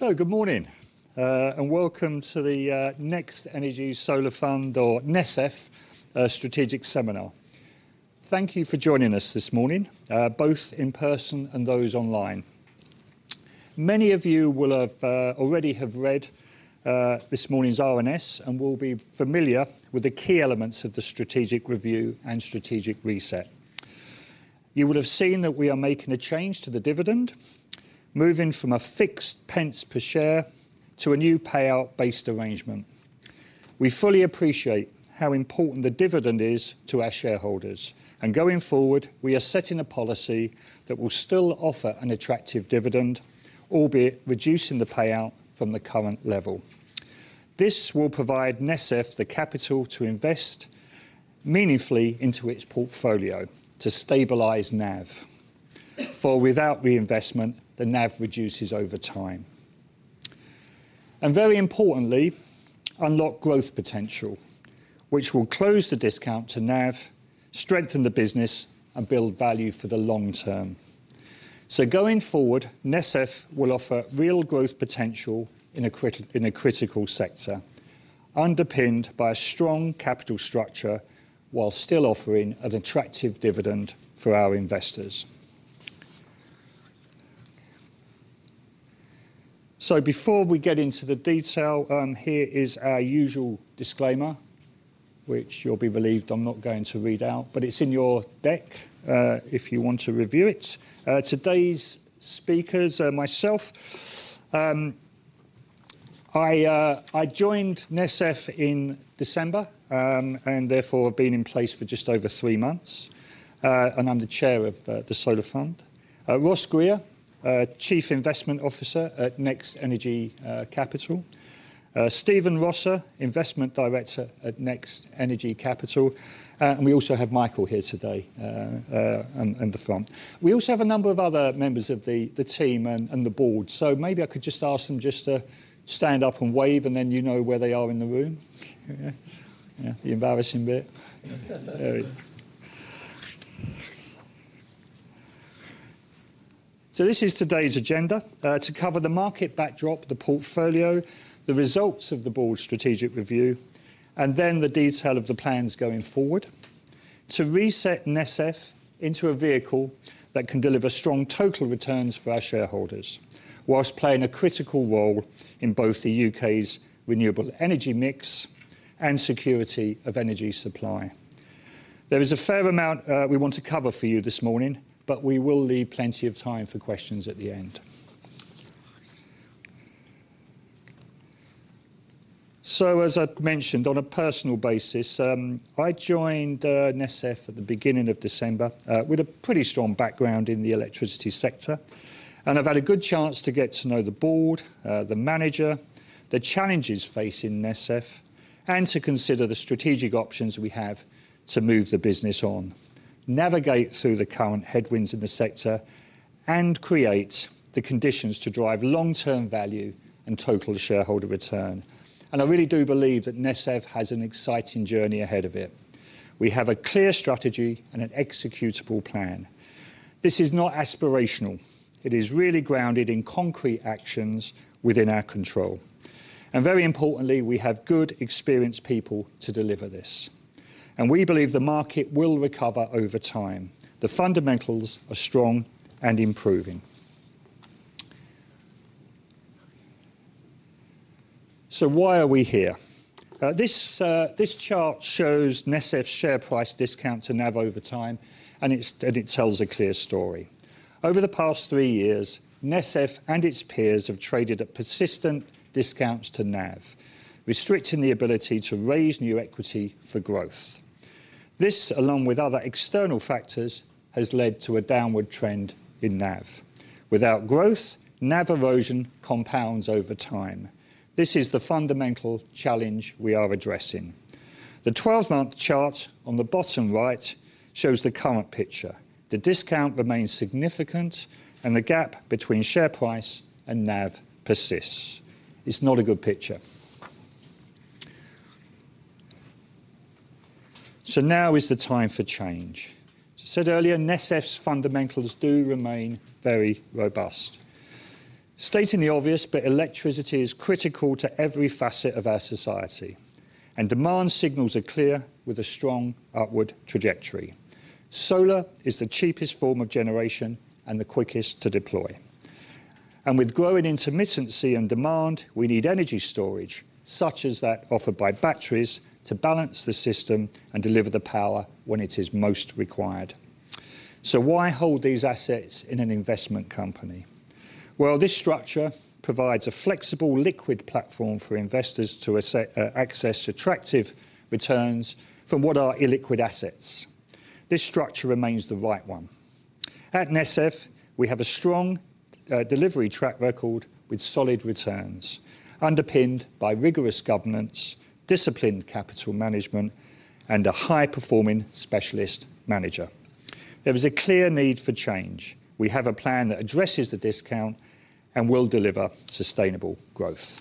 Good morning and welcome to the NextEnergy Solar Fund, or NESF, Strategic Seminar. Thank you for joining us this morning, both in person and those online. Many of you will have already read this morning's RNS and will be familiar with the key elements of the strategic review and strategic reset. You will have seen that we are making a change to the dividend, moving from a fixed pence per share to a new payout-based arrangement. We fully appreciate how important the dividend is to our shareholders, and going forward, we are setting a policy that will still offer an attractive dividend, albeit reducing the payout from the current level. This will provide NESF the capital to invest meaningfully into its portfolio to stabilize NAV, for without reinvestment, the NAV reduces over time. Very importantly, unlock growth potential, which will close the discount to NAV, strengthen the business, and build value for the long term. Going forward, NESF will offer real growth potential in a critical sector, underpinned by a strong capital structure while still offering an attractive dividend for our investors. Before we get into the detail, here is our usual disclaimer, which you'll be relieved I'm not going to read out, but it's in your deck, if you want to review it. Today's speakers are myself. I joined NESF in December, and therefore have been in place for just over three months. I'm the chair of the Solar Fund. Ross Grier, Chief Investment Officer at NextEnergy Capital. Stephen Rosser, Investment Director at NextEnergy Capital. We also have Michael here today, in the front. We also have a number of other members of the team and the board. Maybe I could just ask them just to stand up and wave, and then you know where they are in the room. Yeah. The embarrassing bit. This is today's agenda, to cover the market backdrop, the portfolio, the results of the board's strategic review, and then the detail of the plans going forward to reset NESF into a vehicle that can deliver strong total returns for our shareholders while playing a critical role in both the U.K.'s renewable energy mix and security of energy supply. There is a fair amount we want to cover for you this morning, but we will leave plenty of time for questions at the end. As I'd mentioned, on a personal basis, I joined NESF at the beginning of December with a pretty strong background in the electricity sector, and I've had a good chance to get to know the board, the manager, the challenges facing NESF, and to consider the strategic options we have to move the business on, navigate through the current headwinds in the sector, and create the conditions to drive long-term value and total shareholder return. I really do believe that NESF has an exciting journey ahead of it. We have a clear strategy and an executable plan. This is not aspirational. It is really grounded in concrete actions within our control. Very importantly, we have good, experienced people to deliver this. We believe the market will recover over time. The fundamentals are strong and improving. Why are we here? This chart shows NESF's share price discount to NAV over time, and it tells a clear story. Over the past three years, NESF and its peers have traded at persistent discounts to NAV, restricting the ability to raise new equity for growth. This, along with other external factors, has led to a downward trend in NAV. Without growth, NAV erosion compounds over time. This is the fundamental challenge we are addressing. The 12-month chart on the bottom right shows the current picture. The discount remains significant and the gap between share price and NAV persists. It's not a good picture. Now is the time for change. As I said earlier, NESF's fundamentals do remain very robust. Stating the obvious, but electricity is critical to every facet of our society, and demand signals are clear with a strong upward trajectory. Solar is the cheapest form of generation and the quickest to deploy. With growing intermittency and demand, we need energy storage, such as that offered by batteries, to balance the system and deliver the power when it is most required. Why hold these assets in an investment company? Well, this structure provides a flexible liquid platform for investors to access attractive returns from what are illiquid assets. This structure remains the right one. At NESF, we have a strong delivery track record with solid returns, underpinned by rigorous governance, disciplined capital management, and a high-performing specialist manager. There is a clear need for change. We have a plan that addresses the discount and will deliver sustainable growth.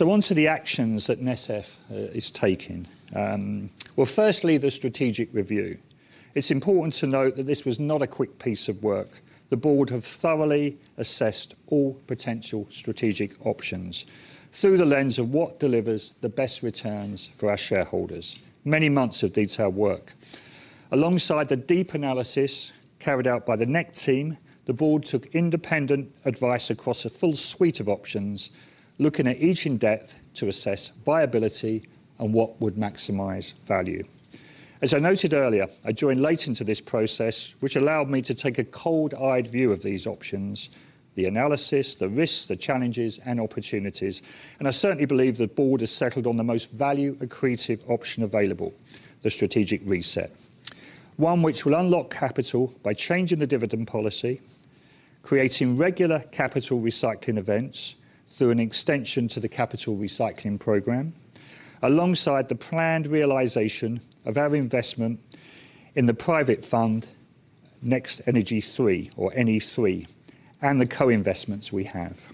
Onto the actions that NESF is taking. Well, firstly, the strategic review. It's important to note that this was not a quick piece of work. The board have thoroughly assessed all potential strategic options through the lens of what delivers the best returns for our shareholders. Many months of detailed work. Alongside the deep analysis carried out by the NEC team, the board took independent advice across a full suite of options, looking at each in depth to assess viability and what would maximize value. As I noted earlier, I joined late into this process, which allowed me to take a cold-eyed view of these options, the analysis, the risks, the challenges and opportunities, and I certainly believe the board has settled on the most value accretive option available, the strategic reset. One which will unlock capital by changing the dividend policy, creating regular capital recycling events through an extension to the capital recycling program, alongside the planned realization of our investment in the private fund NextEnergy III, or NEF III, and the co-investments we have.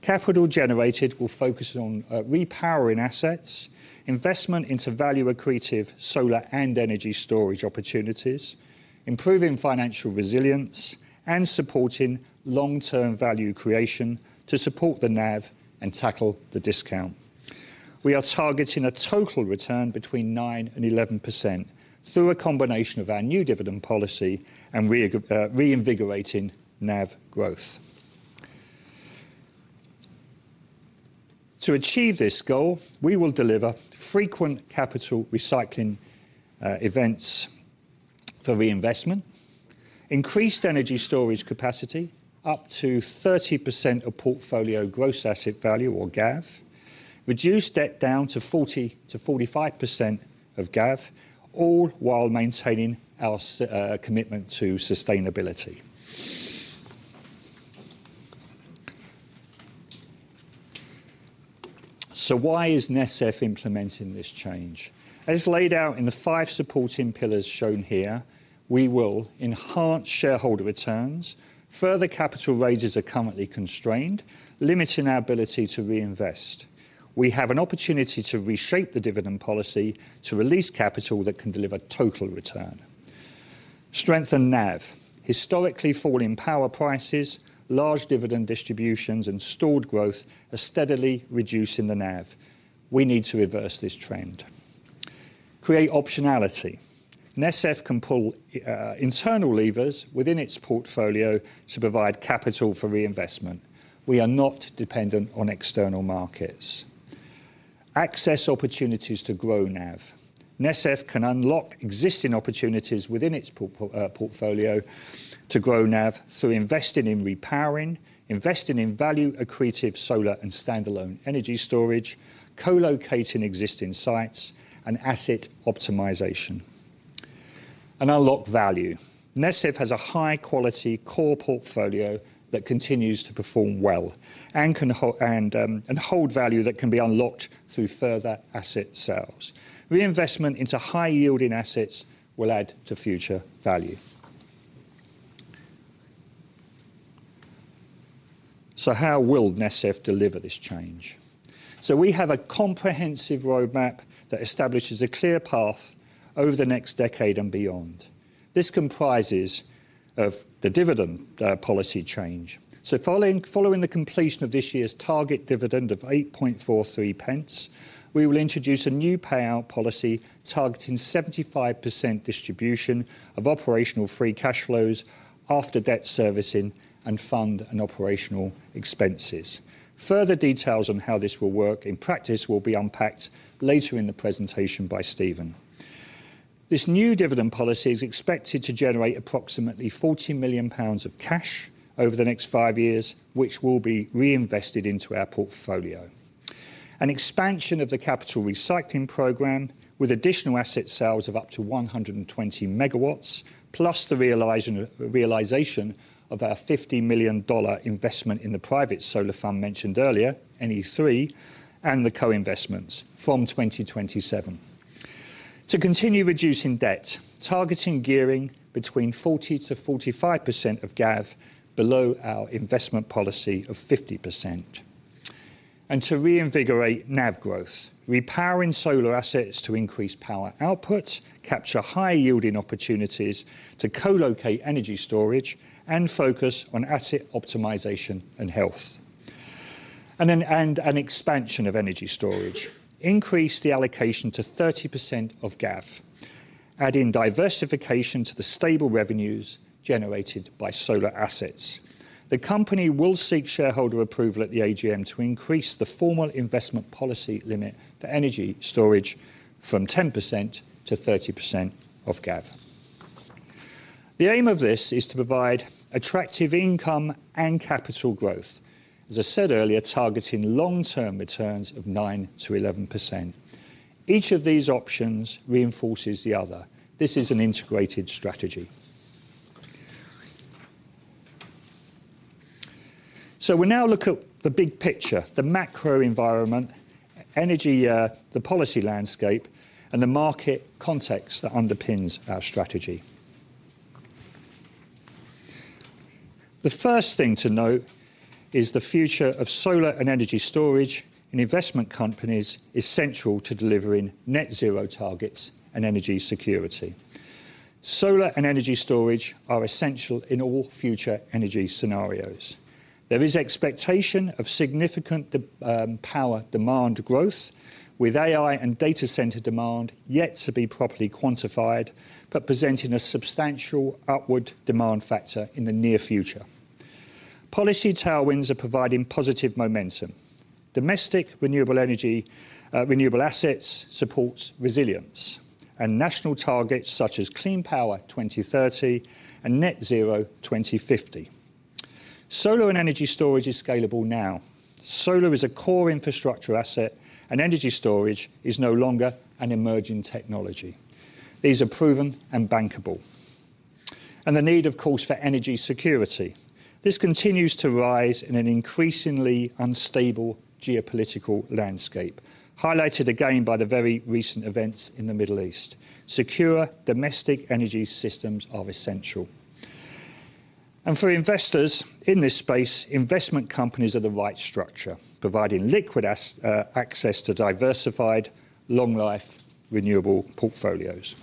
Capital generated will focus on repowering assets, investment into value accretive solar and energy storage opportunities, improving financial resilience, and supporting long-term value creation to support the NAV and tackle the discount. We are targeting a total return between 9% and 11% through a combination of our new dividend policy and reinvigorating NAV growth. To achieve this goal, we will deliver frequent capital recycling events for reinvestment, increased energy storage capacity up to 30% of portfolio gross asset value, or GAV, reduce debt down to 40%-45% of GAV, all while maintaining our commitment to sustainability. Why is NESF implementing this change? As laid out in the five supporting pillars shown here, we will enhance shareholder returns. Further capital raises are currently constrained, limiting our ability to reinvest. We have an opportunity to reshape the dividend policy to release capital that can deliver total return. Strengthen NAV. Historically falling power prices, large dividend distributions, and stalled growth are steadily reducing the NAV. We need to reverse this trend. Create optionality. NESF can pull internal levers within its portfolio to provide capital for reinvestment. We are not dependent on external markets. Access opportunities to grow NAV. NESF can unlock existing opportunities within its portfolio to grow NAV through investing in repowering, investing in value accretive solar and standalone energy storage, co-locating existing sites and asset optimization. Unlock value. NESF has a high quality core portfolio that continues to perform well and hold value that can be unlocked through further asset sales. Reinvestment into high yielding assets will add to future value. How will NESF deliver this change? We have a comprehensive roadmap that establishes a clear path over the next decade and beyond. This comprises of the dividend policy change. Following the completion of this year's target dividend of 8.43 pence, we will introduce a new payout policy targeting 75% distribution of operational free cash flows after debt servicing and fund and operational expenses. Further details on how this will work in practice will be unpacked later in the presentation by Stephen. This new dividend policy is expected to generate approximately 40 million pounds of cash over the next five years, which will be reinvested into our portfolio. An expansion of the capital recycling program with additional asset sales of up to 120 MW, plus the realization of our $50 million investment in the private solar fund mentioned earlier, NEF III, and the co-investments from 2027. To continue reducing debt, targeting gearing between 40%-45% of GAV below our investment policy of 50%. To reinvigorate NAV growth, repowering solar assets to increase power output, capture high yielding opportunities to co-locate energy storage and focus on asset optimization and health. An expansion of energy storage. Increase the allocation to 30% of GAV, adding diversification to the stable revenues generated by solar assets. The company will seek shareholder approval at the AGM to increase the formal investment policy limit for energy storage from 10% to 30% of GAV. The aim of this is to provide attractive income and capital growth. As I said earlier, targeting long-term returns of 9%-11%. Each of these options reinforces the other. This is an integrated strategy. We now look at the big picture, the macro environment, energy, the policy landscape, and the market context that underpins our strategy. The first thing to note is the future of solar and energy storage in investment companies, essential to delivering Net Zero targets and energy security. Solar and energy storage are essential in all future energy scenarios. There is expectation of significant power demand growth with AI and data center demand yet to be properly quantified, but presenting a substantial upward demand factor in the near future. Policy tailwinds are providing positive momentum. Domestic renewable energy renewable assets supports resilience and national targets such as Clean Power 2030 and Net Zero 2050. Solar and energy storage is scalable now. Solar is a core infrastructure asset, and energy storage is no longer an emerging technology. These are proven and bankable. The need, of course, for energy security. This continues to rise in an increasingly unstable geopolitical landscape, highlighted again by the very recent events in the Middle East. Secure domestic energy systems are essential. For investors in this space, investment companies are the right structure, providing liquid access to diversified long life renewable portfolios.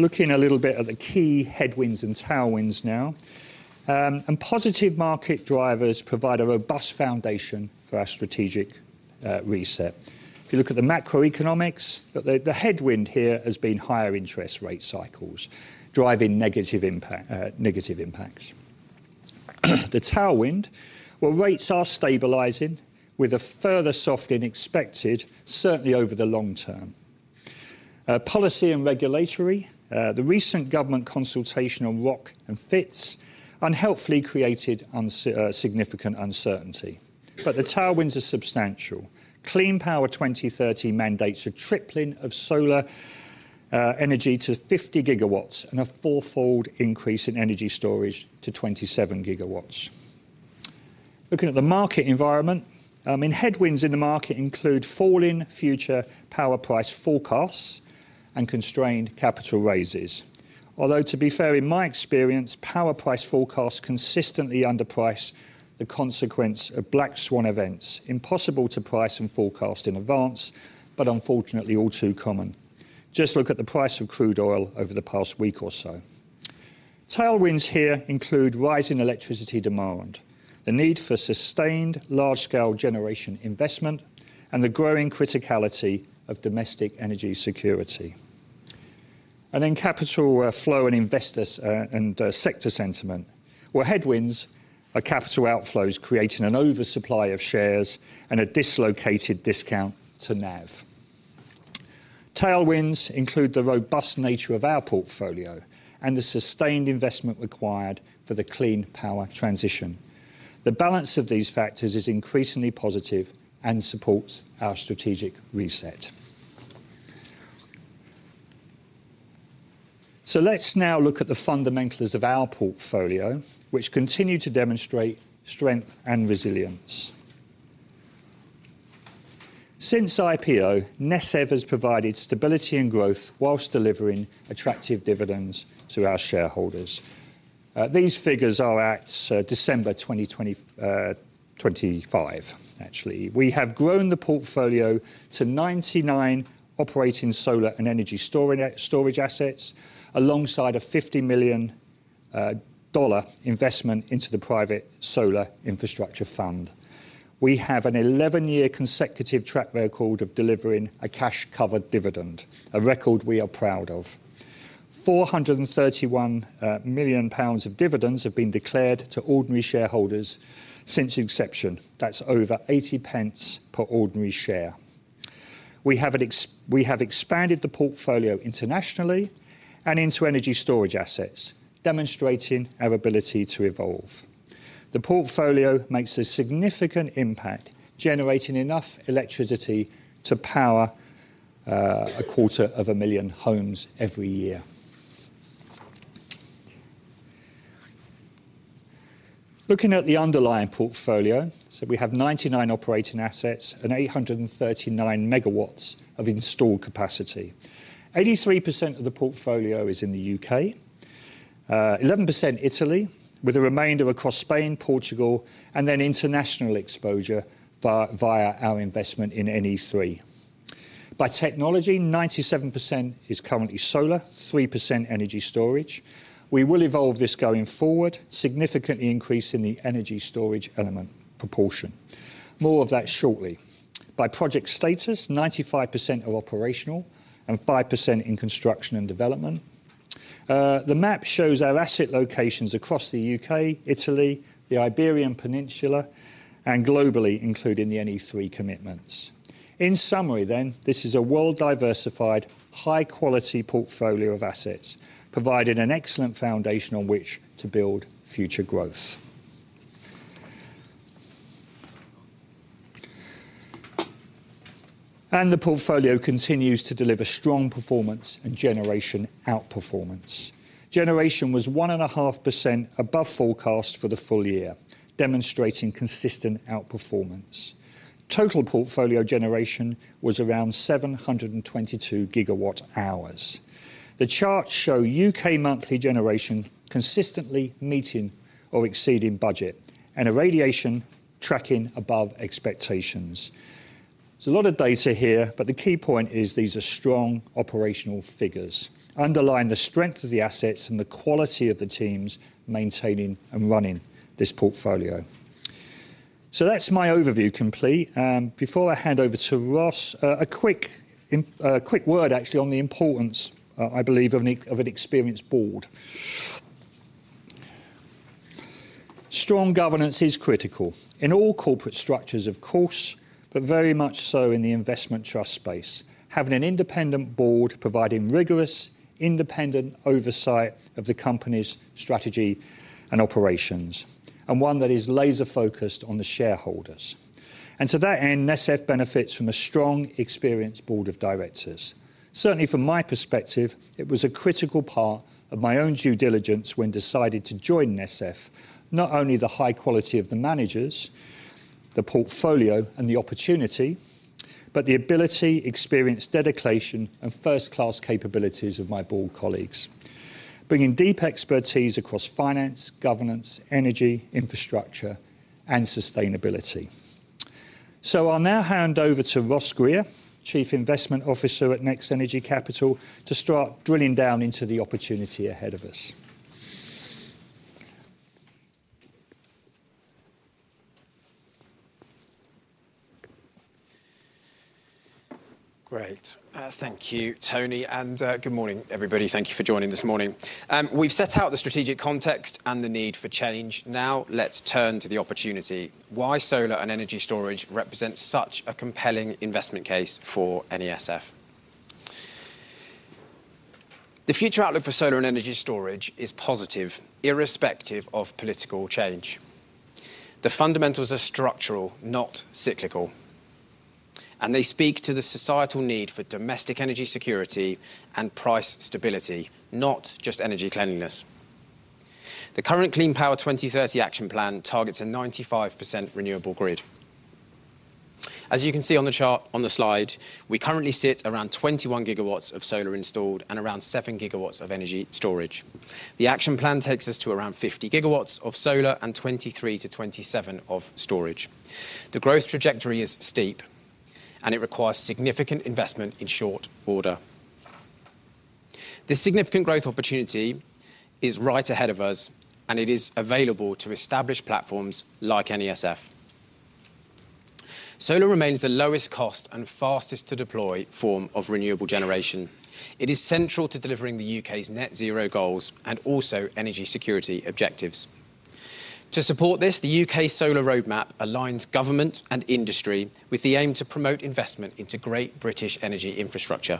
Looking a little bit at the key headwinds and tailwinds now. Positive market drivers provide a robust foundation for our strategic reset. If you look at the macroeconomics, the headwind here has been higher interest rate cycles driving negative impacts. The tailwind, well, rates are stabilizing with a further softening expected certainly over the long term. Policy and regulatory, the recent government consultation on ROC and FiTs unhelpfully created significant uncertainty. The tailwinds are substantial. Clean Power 2030 mandates a tripling of solar energy to 50 GW and a four-fold increase in energy storage to 27 GW. Looking at the market environment, headwinds in the market include falling future power price forecasts and constrained capital raises. Although, to be fair, in my experience, power price forecasts consistently underprice the consequence of black swan events. Impossible to price and forecast in advance, but unfortunately all too common. Just look at the price of crude oil over the past week or so. Tailwinds here include rising electricity demand, the need for sustained large-scale generation investment, and the growing criticality of domestic energy security. Capital flow and investors, and sector sentiment, where headwinds are capital outflows creating an oversupply of shares and a dislocated discount to NAV. Tailwinds include the robust nature of our portfolio and the sustained investment required for the clean power transition. The balance of these factors is increasingly positive and supports our strategic reset. Let's now look at the fundamentals of our portfolio, which continue to demonstrate strength and resilience. Since IPO, NESF has provided stability and growth while delivering attractive dividends to our shareholders. These figures are at December 2020, 2025 actually. We have grown the portfolio to 99 operating solar and energy storage assets alongside a $50 million investment into the private solar infrastructure fund. We have an 11-year consecutive track record of delivering a cash covered dividend, a record we are proud of. 431 million pounds of dividends have been declared to ordinary shareholders since inception. That's over 0.80 pence per ordinary share. We have expanded the portfolio internationally and into energy storage assets, demonstrating our ability to evolve. The portfolio makes a significant impact, generating enough electricity to power a quarter of a million homes every year. Looking at the underlying portfolio, so we have 99 operating assets and 839 MW of installed capacity. 83% of the portfolio is in the U.K., 11% Italy, with the remainder across Spain, Portugal, and then international exposure via our investment in NE3. By technology, 97% is currently solar, 3% energy storage. We will evolve this going forward, significantly increasing the energy storage element proportion. More of that shortly. By project status, 95% are operational and 5% in construction and development. The map shows our asset locations across the U.K., Italy, the Iberian Peninsula, and globally, including the NE3 commitments. In summary, this is a well-diversified, high-quality portfolio of assets, providing an excellent foundation on which to build future growth. The portfolio continues to deliver strong performance and generation outperformance. Generation was 1.5% above forecast for the full year, demonstrating consistent outperformance. Total portfolio generation was around 722 GWh. The charts show U.K. monthly generation consistently meeting or exceeding budget and irradiation tracking above expectations. There's a lot of data here, but the key point is these are strong operational figures underlying the strength of the assets and the quality of the teams maintaining and running this portfolio. That's my overview complete. Before I hand over to Ross, a quick word actually on the importance I believe of an experienced board. Strong governance is critical in all corporate structures, of course, but very much so in the investment trust space. Having an independent board providing rigorous independent oversight of the company's strategy and operations, and one that is laser-focused on the shareholders. To that end, NESF benefits from a strong, experienced board of directors. Certainly from my perspective, it was a critical part of my own due diligence when decided to join NESF, not only the high quality of the managers, the portfolio and the opportunity, but the ability, experience, dedication, and first-class capabilities of my board colleagues, bringing deep expertise across finance, governance, energy, infrastructure and sustainability. I'll now hand over to Ross Grier, Chief Investment Officer at NextEnergy Capital, to start drilling down into the opportunity ahead of us. Great. Thank you, Tony, and good morning, everybody. Thank you for joining this morning. We've set out the strategic context and the need for change. Now let's turn to the opportunity, why solar and energy storage represent such a compelling investment case for NESF. The future outlook for solar and energy storage is positive irrespective of political change. The fundamentals are structural, not cyclical, and they speak to the societal need for domestic energy security and price stability, not just energy cleanliness. The current Clean Power 2030 action plan targets a 95% renewable grid. As you can see on the chart on the slide, we currently sit around 21 GW of solar installed and around 7 GW of energy storage. The action plan takes us to around 50 GW of solar and 23-27 GW of storage. The growth trajectory is steep, and it requires significant investment in short order. The significant growth opportunity is right ahead of us, and it is available to establish platforms like NESF. Solar remains the lowest cost and fastest to deploy form of renewable generation. It is central to delivering the U.K.'s Net Zero goals and also energy security objectives. To support this, the U.K. Solar Roadmap aligns government and industry with the aim to promote investment into Great British energy infrastructure.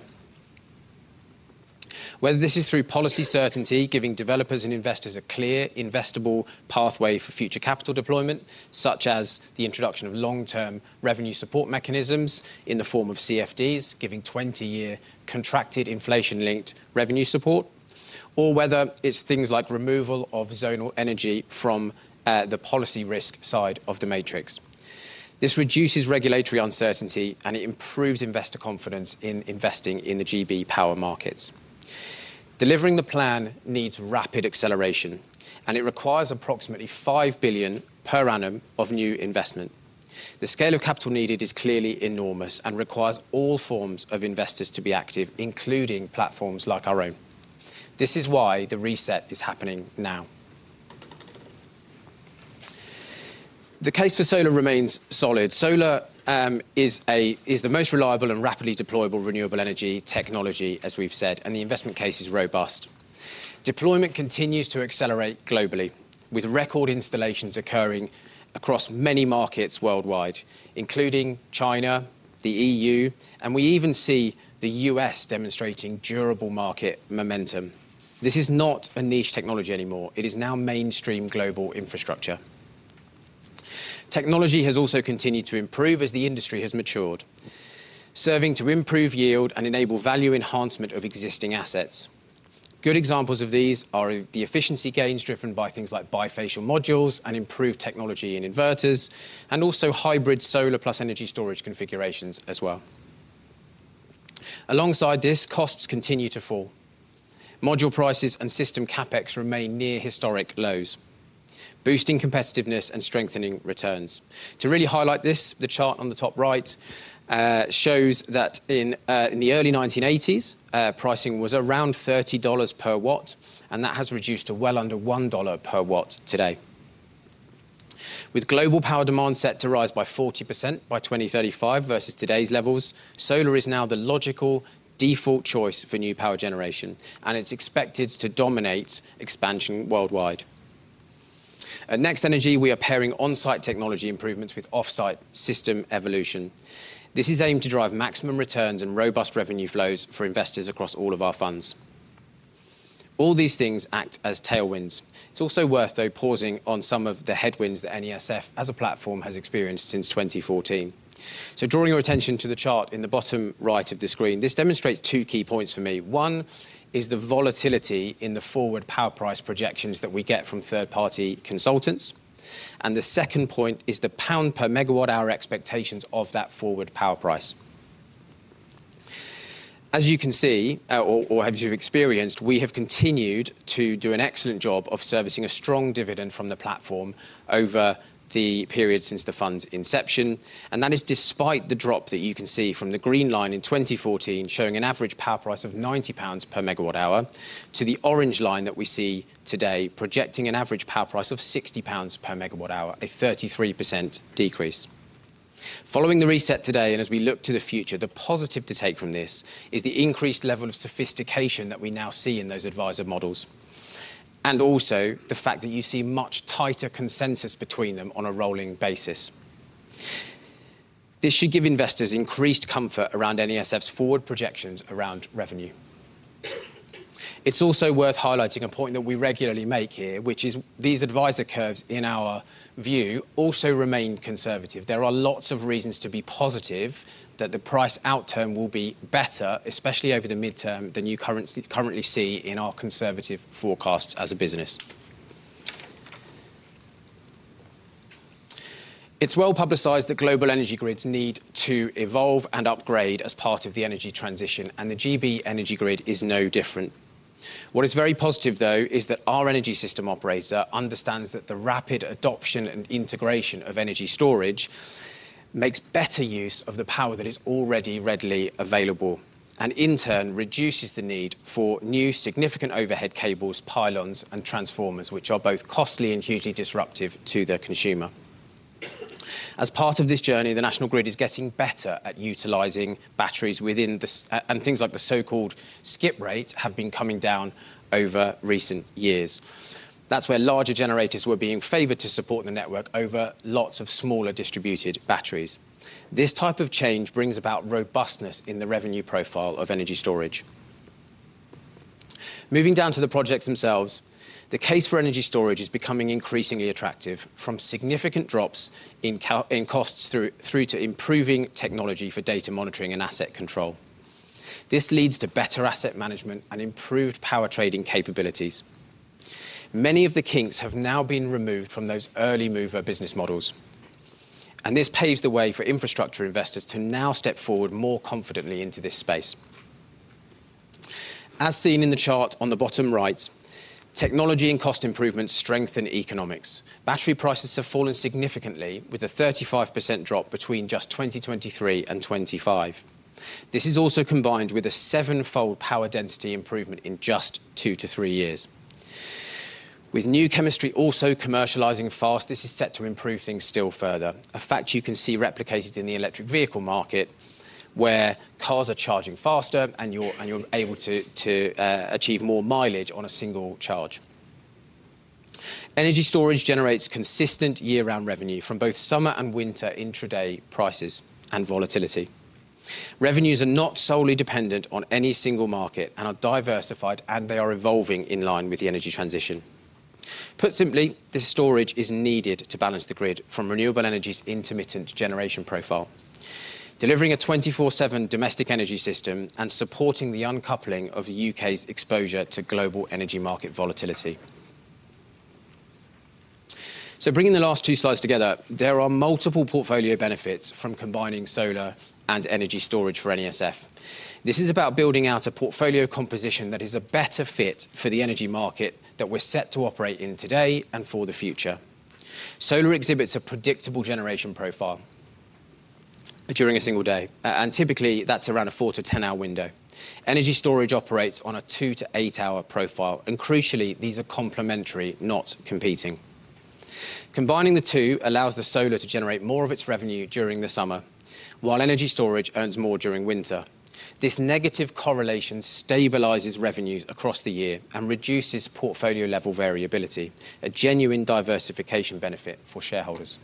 Whether this is through policy certainty, giving developers and investors a clear investable pathway for future capital deployment, such as the introduction of long-term revenue support mechanisms in the form of CFDs, giving 20-year contracted inflation-linked revenue support, or whether it's things like removal of zonal pricing from the policy risk side of the matrix. This reduces regulatory uncertainty, and it improves investor confidence in investing in the GB power markets. Delivering the plan needs rapid acceleration, and it requires approximately 5 billion per annum of new investment. The scale of capital needed is clearly enormous and requires all forms of investors to be active, including platforms like our own. This is why the reset is happening now. The case for solar remains solid. Solar is the most reliable and rapidly deployable renewable energy technology, as we've said, and the investment case is robust. Deployment continues to accelerate globally, with record installations occurring across many markets worldwide, including China, the EU, and we even see the U.S. demonstrating durable market momentum. This is not a niche technology anymore. It is now mainstream global infrastructure. Technology has also continued to improve as the industry has matured, serving to improve yield and enable value enhancement of existing assets. Good examples of these are the efficiency gains driven by things like bifacial modules and improved technology in inverters, and also hybrid solar plus energy storage configurations as well. Alongside this, costs continue to fall. Module prices and system CapEx remain near historic lows, boosting competitiveness and strengthening returns. To really highlight this, the chart on the top right shows that in the early 1980s, pricing was around $30 per watt, and that has reduced to well under $1 per watt today. With global power demand set to rise by 40% by 2035 versus today's levels, solar is now the logical default choice for new power generation, and it's expected to dominate expansion worldwide. At NextEnergy, we are pairing on-site technology improvements with off-site system evolution. This is aimed to drive maximum returns and robust revenue flows for investors across all of our funds. All these things act as tailwinds. It's also worth, though, pausing on some of the headwinds that NESF as a platform has experienced since 2014. Drawing your attention to the chart in the bottom right of the screen, this demonstrates two key points for me. One is the volatility in the forward power price projections that we get from third-party consultants. The second point is the pound per megawatt hour expectations of that forward power price. As you can see, or as you've experienced, we have continued to do an excellent job of servicing a strong dividend from the platform over the period since the fund's inception. That is despite the drop that you can see from the green line in 2014 showing an average power price of 90 pounds per MWh to the orange line that we see today projecting an average power price of 60 pounds per MWh, a 33% decrease. Following the reset today, and as we look to the future, the positive to take from this is the increased level of sophistication that we now see in those advisor models, and also the fact that you see much tighter consensus between them on a rolling basis. This should give investors increased comfort around NESF's forward projections around revenue. It's also worth highlighting a point that we regularly make here, which is these advisor curves, in our view, also remain conservative. There are lots of reasons to be positive that the price outturn will be better, especially over the midterm, than you currently see in our conservative forecasts as a business. It's well-publicized that global energy grids need to evolve and upgrade as part of the energy transition, and the GB energy grid is no different. What is very positive, though, is that our energy system operator understands that the rapid adoption and integration of energy storage makes better use of the power that is already readily available and, in turn, reduces the need for new significant overhead cables, pylons, and transformers, which are both costly and hugely disruptive to the consumer. As part of this journey, the National Grid is getting better at utilizing batteries, and things like the so-called skip rate have been coming down over recent years. That's where larger generators were being favored to support the network over lots of smaller distributed batteries. This type of change brings about robustness in the revenue profile of energy storage. Moving down to the projects themselves, the case for energy storage is becoming increasingly attractive from significant drops in CapEx costs through to improving technology for data monitoring and asset control. This leads to better asset management and improved power trading capabilities. Many of the kinks have now been removed from those early mover business models, and this paves the way for infrastructure investors to now step forward more confidently into this space. As seen in the chart on the bottom right, technology and cost improvements strengthen economics. Battery prices have fallen significantly, with a 35% drop between just 2023 and 2025. This is also combined with a 7-fold power density improvement in just two to three years. With new chemistry also commercializing fast, this is set to improve things still further. A fact you can see replicated in the electric vehicle market, where cars are charging faster and you're able to achieve more mileage on a single charge. Energy storage generates consistent year-round revenue from both summer and winter intraday prices and volatility. Revenues are not solely dependent on any single market and are diversified, and they are evolving in line with the energy transition. Put simply, this storage is needed to balance the grid from renewable energy's intermittent generation profile, delivering a 24/7 domestic energy system and supporting the uncoupling of the U.K.'s exposure to global energy market volatility. Bringing the last two slides together, there are multiple portfolio benefits from combining solar and energy storage for NESF. This is about building out a portfolio composition that is a better fit for the energy market that we're set to operate in today and for the future. Solar exhibits a predictable generation profile during a single day, and typically that's around a 4-10-hour window. Energy storage operates on a 2-8-hour profile, and crucially, these are complementary, not competing. Combining the two allows the solar to generate more of its revenue during the summer, while energy storage earns more during winter. This negative correlation stabilizes revenues across the year and reduces portfolio-level variability, a genuine diversification benefit for shareholders.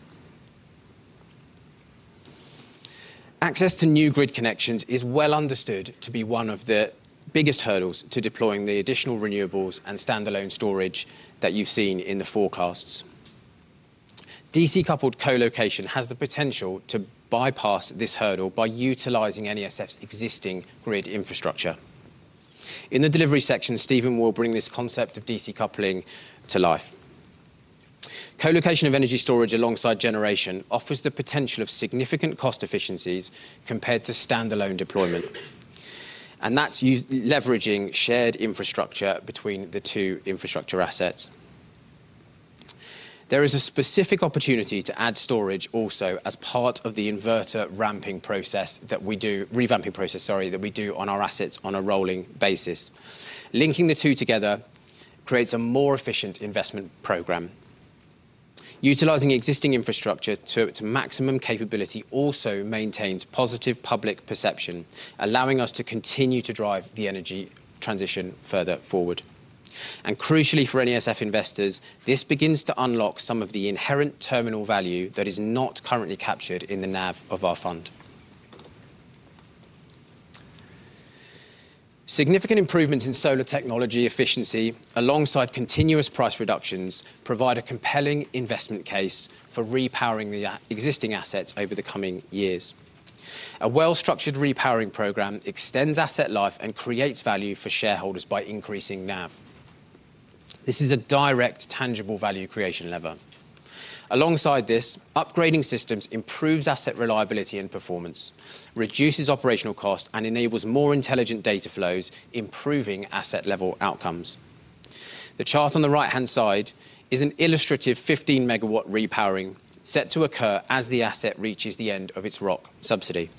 Access to new grid connections is well understood to be one of the biggest hurdles to deploying the additional renewables and standalone storage that you've seen in the forecasts. DC-coupled co-location has the potential to bypass this hurdle by utilizing NESF's existing grid infrastructure. In the delivery section, Stephen will bring this concept of DC coupling to life. Co-location of energy storage alongside generation offers the potential of significant cost efficiencies compared to standalone deployment, and that's us leveraging shared infrastructure between the two infrastructure assets. There is a specific opportunity to add storage also as part of the revamping process that we do on our assets on a rolling basis. Linking the two together creates a more efficient investment program. Utilizing existing infrastructure to its maximum capability also maintains positive public perception, allowing us to continue to drive the energy transition further forward. Crucially for NESF investors, this begins to unlock some of the inherent terminal value that is not currently captured in the NAV of our fund. Significant improvements in solar technology efficiency alongside continuous price reductions provide a compelling investment case for repowering the existing assets over the coming years. A well-structured repowering program extends asset life and creates value for shareholders by increasing NAV. This is a direct tangible value creation lever. Alongside this, upgrading systems improves asset reliability and performance, reduces operational cost, and enables more intelligent data flows, improving asset level outcomes. The chart on the right-hand side is an illustrative 15 MW repowering set to occur as the asset reaches the end of its ROC subsidy.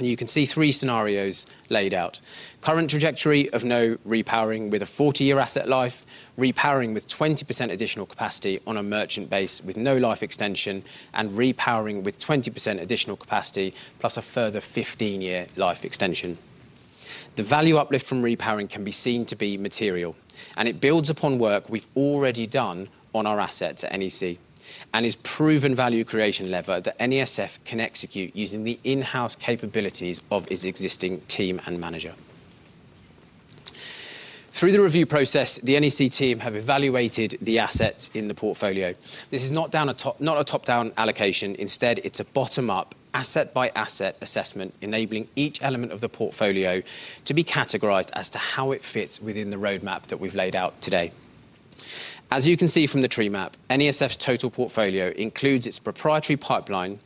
You can see three scenarios laid out. Current trajectory of no repowering with a 40-year asset life, repowering with 20% additional capacity on a merchant basis with no life extension, and repowering with 20% additional capacity plus a further 15-year life extension. The value uplift from repowering can be seen to be material, and it builds upon work we've already done on our assets at NEC and is proven value creation lever that NESF can execute using the in-house capabilities of its existing team and manager. Through the review process, the NEC team have evaluated the assets in the portfolio. This is not a top-down allocation. Instead, it's a bottom-up asset-by-asset assessment, enabling each element of the portfolio to be categorized as to how it fits within the roadmap that we've laid out today. As you can see from the tree map, NESF's total portfolio includes its proprietary pipeline,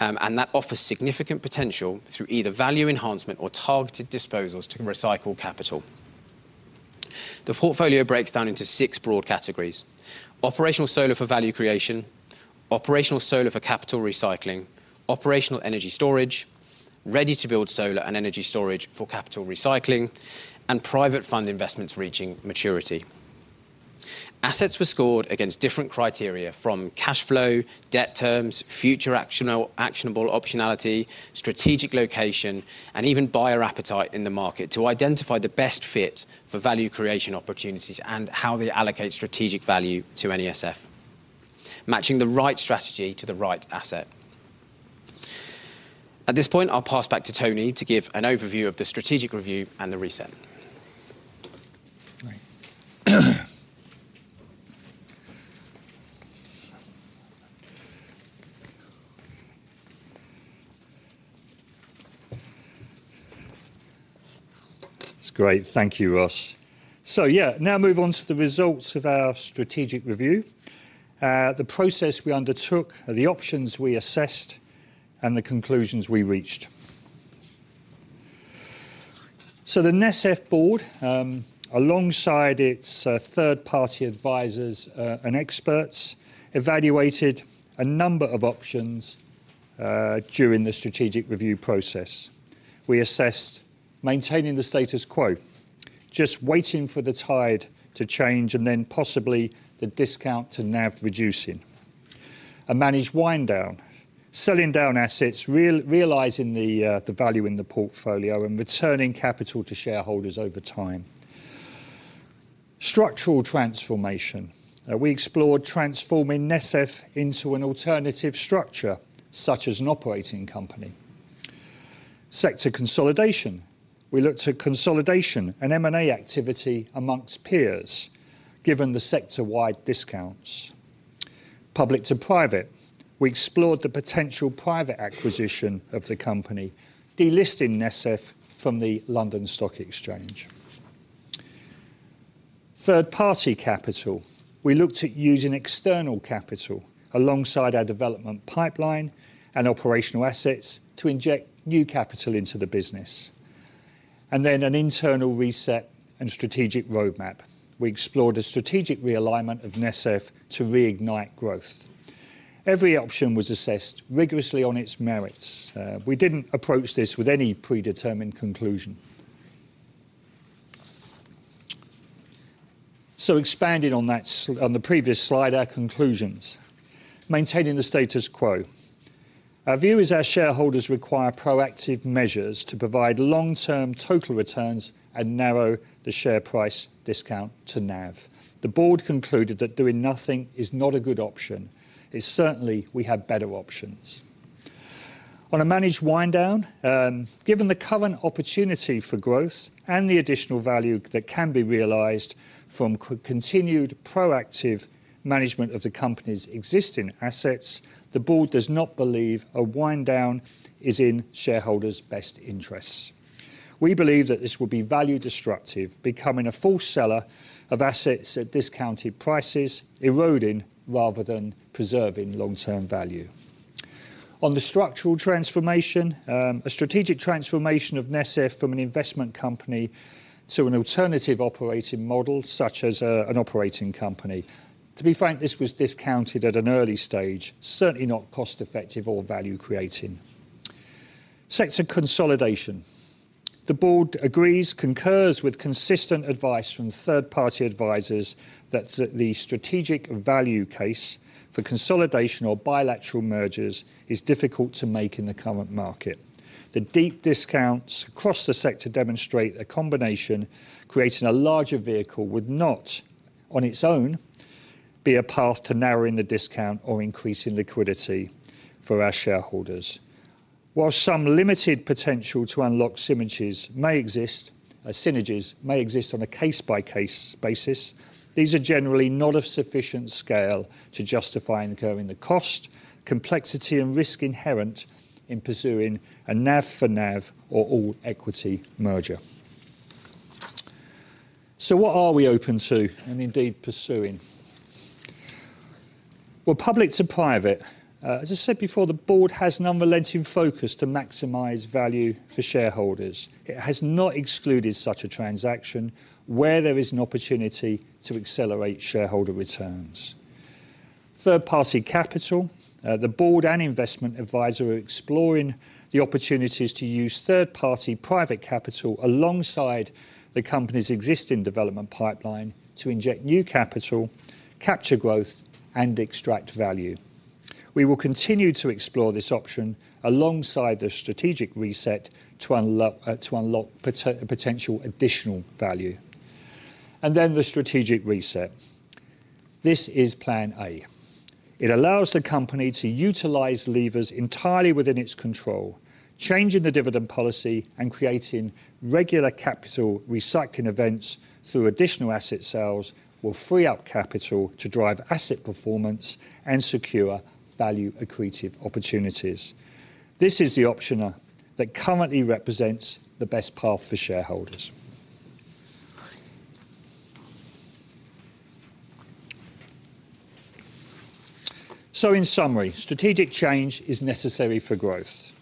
and that offers significant potential through either value enhancement or targeted disposals to recycle capital. The portfolio breaks down into six broad categories. Operational solar for value creation, operational solar for capital recycling, operational energy storage, ready-to-build solar and energy storage for capital recycling, and private fund investments reaching maturity. Assets were scored against different criteria from cash flow, debt terms, future actionable optionality, strategic location, and even buyer appetite in the market to identify the best fit for value creation opportunities and how they allocate strategic value to NESF, matching the right strategy to the right asset. At this point, I'll pass back to Tony to give an overview of the strategic review and the reset. Right. That's great. Thank you, Ross. Now move on to the results of our strategic review, the process we undertook, the options we assessed, and the conclusions we reached. The NESF board, alongside its third-party advisors and experts evaluated a number of options during the strategic review process. We assessed maintaining the status quo, just waiting for the tide to change and then possibly the discount to NAV reducing. A managed wind down, selling down assets, realizing the value in the portfolio and returning capital to shareholders over time. Structural transformation. We explored transforming NESF into an alternative structure, such as an operating company. Sector consolidation. We looked at consolidation and M&A activity among peers, given the sector-wide discounts. Public to private. We explored the potential private acquisition of the company, delisting NESF from the London Stock Exchange. Third-party capital. We looked at using external capital alongside our development pipeline and operational assets to inject new capital into the business. An internal reset and strategic roadmap. We explored a strategic realignment of NESF to reignite growth. Every option was assessed rigorously on its merits. We didn't approach this with any predetermined conclusion. Expanding on that on the previous slide, our conclusions. Maintaining the status quo. Our view is our shareholders require proactive measures to provide long-term total returns and narrow the share price discount to NAV. The board concluded that doing nothing is not a good option. It's certainly we have better options. On a managed wind down, given the current opportunity for growth and the additional value that can be realized from continued proactive management of the company's existing assets, the board does not believe a wind down is in shareholders' best interests. We believe that this will be value destructive, becoming a full seller of assets at discounted prices, eroding rather than preserving long-term value. On the structural transformation, a strategic transformation of NESF from an investment company to an alternative operating model, such as an operating company. To be frank, this was discounted at an early stage, certainly not cost-effective or value-creating. Sector consolidation. The board agrees, concurs with consistent advice from third-party advisors that the strategic value case for consolidation or bilateral mergers is difficult to make in the current market. The deep discounts across the sector demonstrate a combination creating a larger vehicle would not, on its own, be a path to narrowing the discount or increasing liquidity for our shareholders. While some limited potential to unlock synergies may exist on a case-by-case basis, these are generally not of sufficient scale to justify incurring the cost, complexity, and risk inherent in pursuing a NAV for NAV or all-equity merger. What are we open to and indeed pursuing? Well, public to private. As I said before, the board has an unrelenting focus to maximize value for shareholders. It has not excluded such a transaction where there is an opportunity to accelerate shareholder returns. Third-party capital. The board and investment advisor are exploring the opportunities to use third-party private capital alongside the company's existing development pipeline to inject new capital, capture growth and extract value. We will continue to explore this option alongside the strategic reset to unlock potential additional value. The strategic reset. This is plan A. It allows the company to utilize levers entirely within its control. Changing the dividend policy and creating regular capital recycling events through additional asset sales will free up capital to drive asset performance and secure value-accretive opportunities. This is the option that currently represents the best path for shareholders. In summary, strategic change is necessary for growth.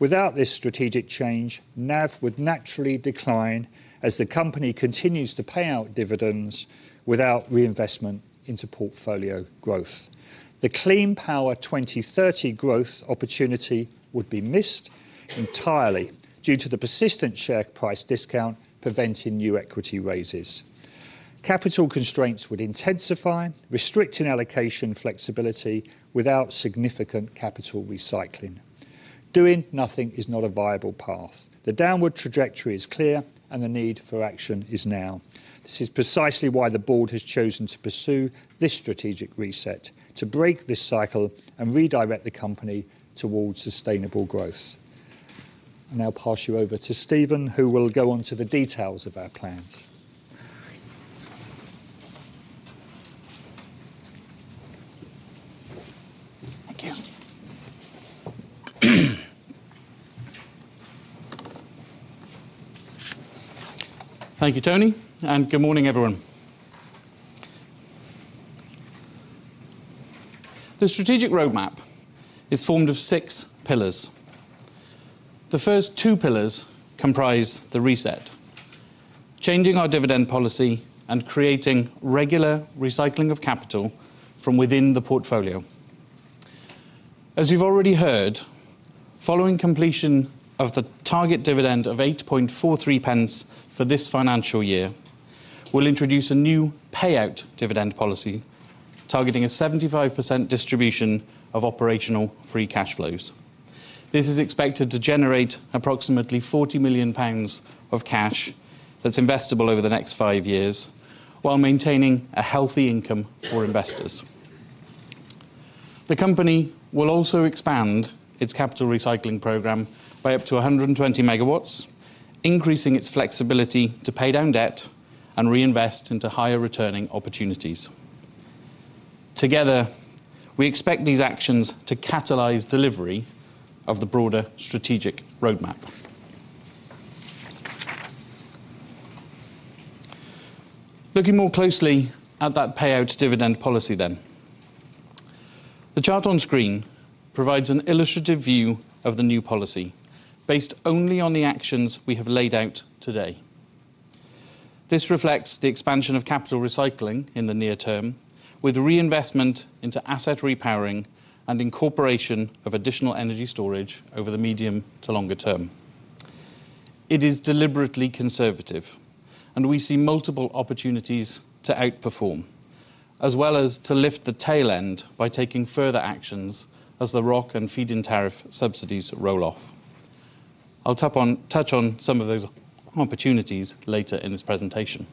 Without this strategic change, NAV would naturally decline as the company continues to pay out dividends without reinvestment into portfolio growth. The Clean Power 2030 growth opportunity would be missed entirely due to the persistent share price discount preventing new equity raises. Capital constraints would intensify, restricting allocation flexibility without significant capital recycling. Doing nothing is not a viable path. The downward trajectory is clear and the need for action is now. This is precisely why the board has chosen to pursue this strategic reset to break this cycle and redirect the company towards sustainable growth. I'll now pass you over to Stephen, who will go on to the details of our plans. Thank you. Thank you, Tony, and good morning, everyone. The strategic roadmap is formed of six pillars. The first two pillars comprise the reset, changing our dividend policy and creating regular recycling of capital from within the portfolio. As you've already heard, following completion of the target dividend of 8.43 pence for this financial year, we'll introduce a new payout dividend policy targeting a 75% distribution of operational free cash flows. This is expected to generate approximately 40 million pounds of cash that's investable over the next five years while maintaining a healthy income for investors. The company will also expand its capital recycling program by up to 120 MW, increasing its flexibility to pay down debt and reinvest into higher returning opportunities. Together, we expect these actions to catalyze delivery of the broader strategic roadmap. Looking more closely at that payout dividend policy, then. The chart on screen provides an illustrative view of the new policy based only on the actions we have laid out today. This reflects the expansion of capital recycling in the near term with reinvestment into asset repowering and incorporation of additional energy storage over the medium to longer term. It is deliberately conservative, and we see multiple opportunities to outperform, as well as to lift the tail end by taking further actions as the ROC and Feed-in Tariff subsidies roll off. I'll touch on some of those opportunities later in this presentation.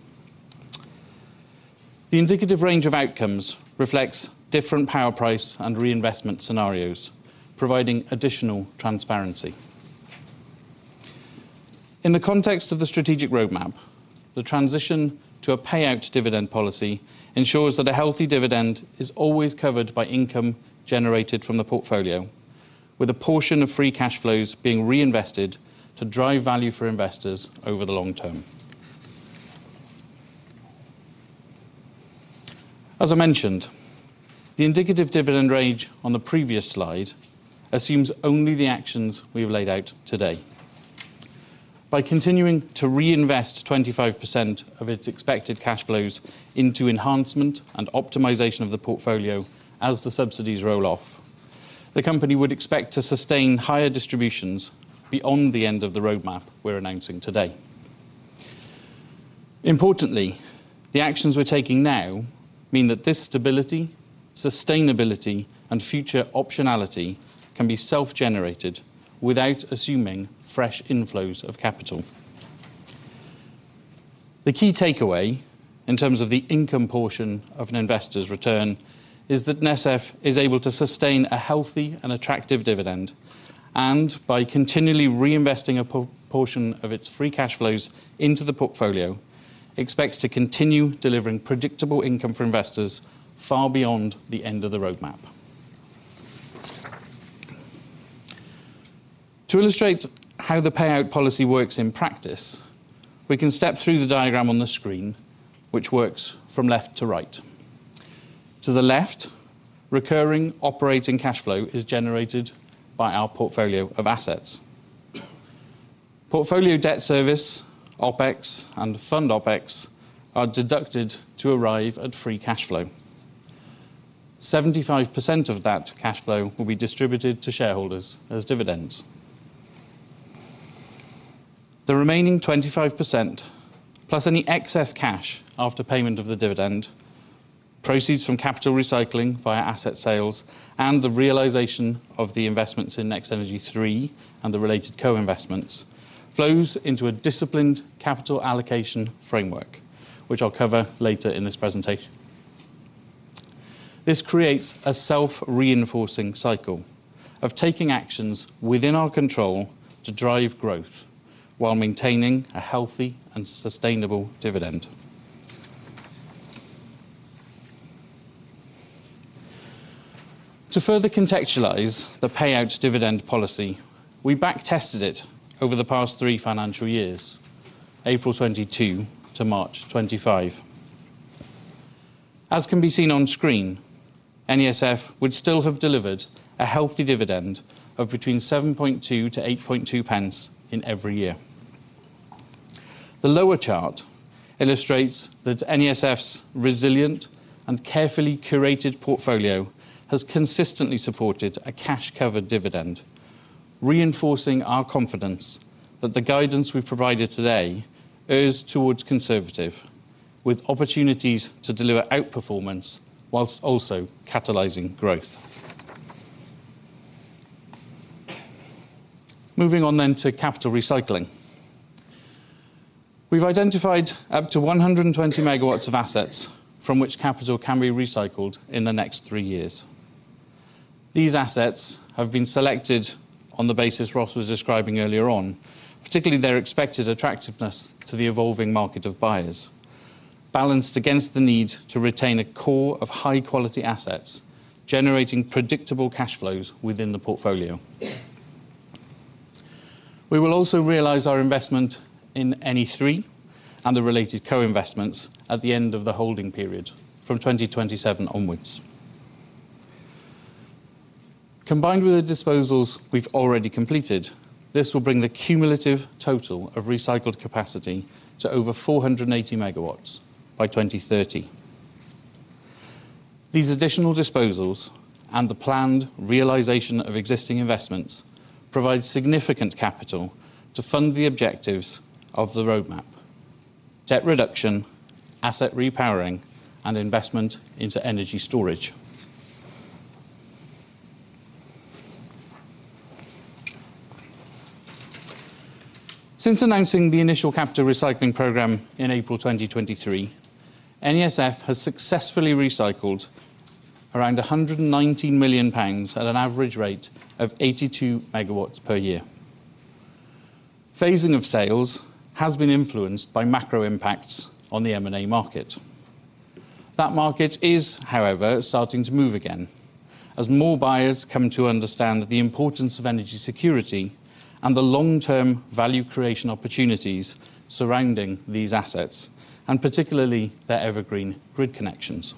The indicative range of outcomes reflects different power price and reinvestment scenarios, providing additional transparency. In the context of the strategic roadmap, the transition to a payout dividend policy ensures that a healthy dividend is always covered by income generated from the portfolio, with a portion of free cash flows being reinvested to drive value for investors over the long term. As I mentioned, the indicative dividend range on the previous slide assumes only the actions we have laid out today. By continuing to reinvest 25% of its expected cash flows into enhancement and optimization of the portfolio as the subsidies roll off, the company would expect to sustain higher distributions beyond the end of the roadmap we're announcing today. Importantly, the actions we're taking now mean that this stability, sustainability and future optionality can be self-generated without assuming fresh inflows of capital. The key takeaway in terms of the income portion of an investor's return is that NESF is able to sustain a healthy and attractive dividend and, by continually reinvesting a portion of its free cash flows into the portfolio, expects to continue delivering predictable income for investors far beyond the end of the roadmap. To illustrate how the payout policy works in practice, we can step through the diagram on the screen, which works from left to right. To the left, recurring operating cash flow is generated by our portfolio of assets. Portfolio debt service, OpEx, and fund OpEx are deducted to arrive at free cash flow. 75% of that cash flow will be distributed to shareholders as dividends. The remaining 25%, plus any excess cash after payment of the dividend, proceeds from capital recycling via asset sales and the realization of the investments in NextEnergy III and the related co-investments, flows into a disciplined capital allocation framework, which I'll cover later in this presentation. This creates a self-reinforcing cycle of taking actions within our control to drive growth while maintaining a healthy and sustainable dividend. To further contextualize the payout dividend policy, we back-tested it over the past 3 financial years, April 2022 to March 2025. As can be seen on screen, NESF would still have delivered a healthy dividend of between 7.2-8.2 pence in every year. The lower chart illustrates that NESF's resilient and carefully curated portfolio has consistently supported a cash-covered dividend, reinforcing our confidence that the guidance we've provided today errs towards conservative, with opportunities to deliver outperformance whilst also catalyzing growth. Moving on to capital recycling. We've identified up to 120 MW of assets from which capital can be recycled in the next three years. These assets have been selected on the basis Ross was describing earlier on, particularly their expected attractiveness to the evolving market of buyers, balanced against the need to retain a core of high-quality assets, generating predictable cash flows within the portfolio. We will also realize our investment in NE3 and the related co-investments at the end of the holding period from 2027 onwards. Combined with the disposals we've already completed, this will bring the cumulative total of recycled capacity to over 480 MW by 2030. These additional disposals and the planned realization of existing investments provide significant capital to fund the objectives of the roadmap, debt reduction, asset repowering, and investment into energy storage. Since announcing the initial capital recycling program in April 2023, NESF has successfully recycled around 119 million pounds at an average rate of 82 MW per year. Phasing of sales has been influenced by macro impacts on the M&A market. That market is, however, starting to move again, as more buyers come to understand the importance of energy security and the long-term value creation opportunities surrounding these assets, and particularly their evergreen grid connections.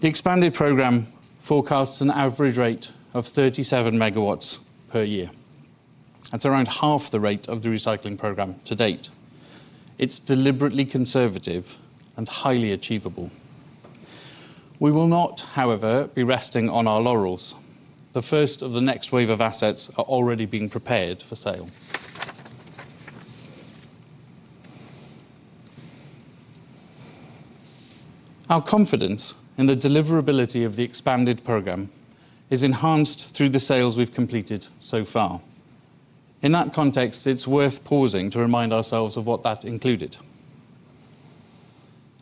The expanded program forecasts an average rate of 37 MW per year. That's around half the rate of the recycling program to date. It's deliberately conservative and highly achievable. We will not, however, be resting on our laurels. The first of the next wave of assets are already being prepared for sale. Our confidence in the deliverability of the expanded program is enhanced through the sales we've completed so far. In that context, it's worth pausing to remind ourselves of what that included.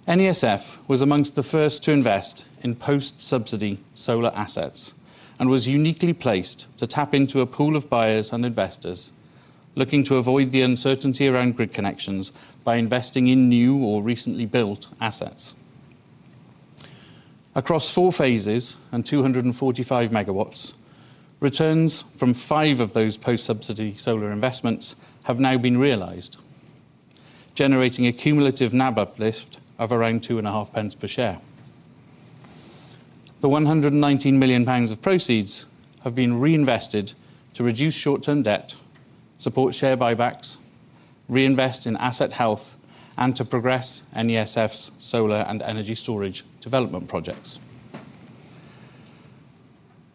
NESF was among the first to invest in post-subsidy solar assets and was uniquely placed to tap into a pool of buyers and investors looking to avoid the uncertainty around grid connections by investing in new or recently built assets. Across four phases and 245 MW, returns from five of those post-subsidy solar investments have now been realized, generating a cumulative NAV uplift of around 0.025 per share. The 119 million pounds of proceeds have been reinvested to reduce short-term debt, support share buybacks, reinvest in asset health, and to progress NESF's solar and energy storage development projects.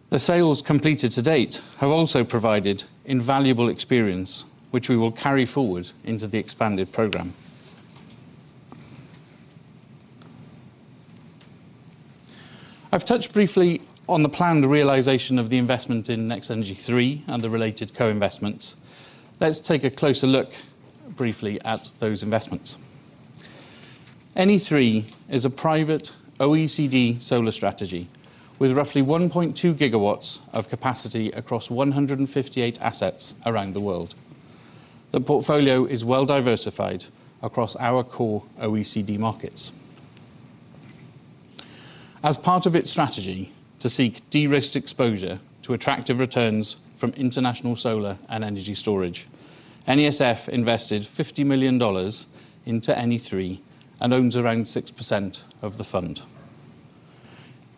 The sales completed to date have also provided invaluable experience, which we will carry forward into the expanded program. I've touched briefly on the planned realization of the investment in NextEnergy III and the related co-investments. Let's take a closer look briefly at those investments. NEIII is a private OECD solar strategy with roughly 1.2 GW of capacity across 158 assets around the world. The portfolio is well-diversified across our core OECD markets. As part of its strategy to seek de-risked exposure to attractive returns from international solar and energy storage, NESF invested $50 million into NEIII and owns around 6% of the fund.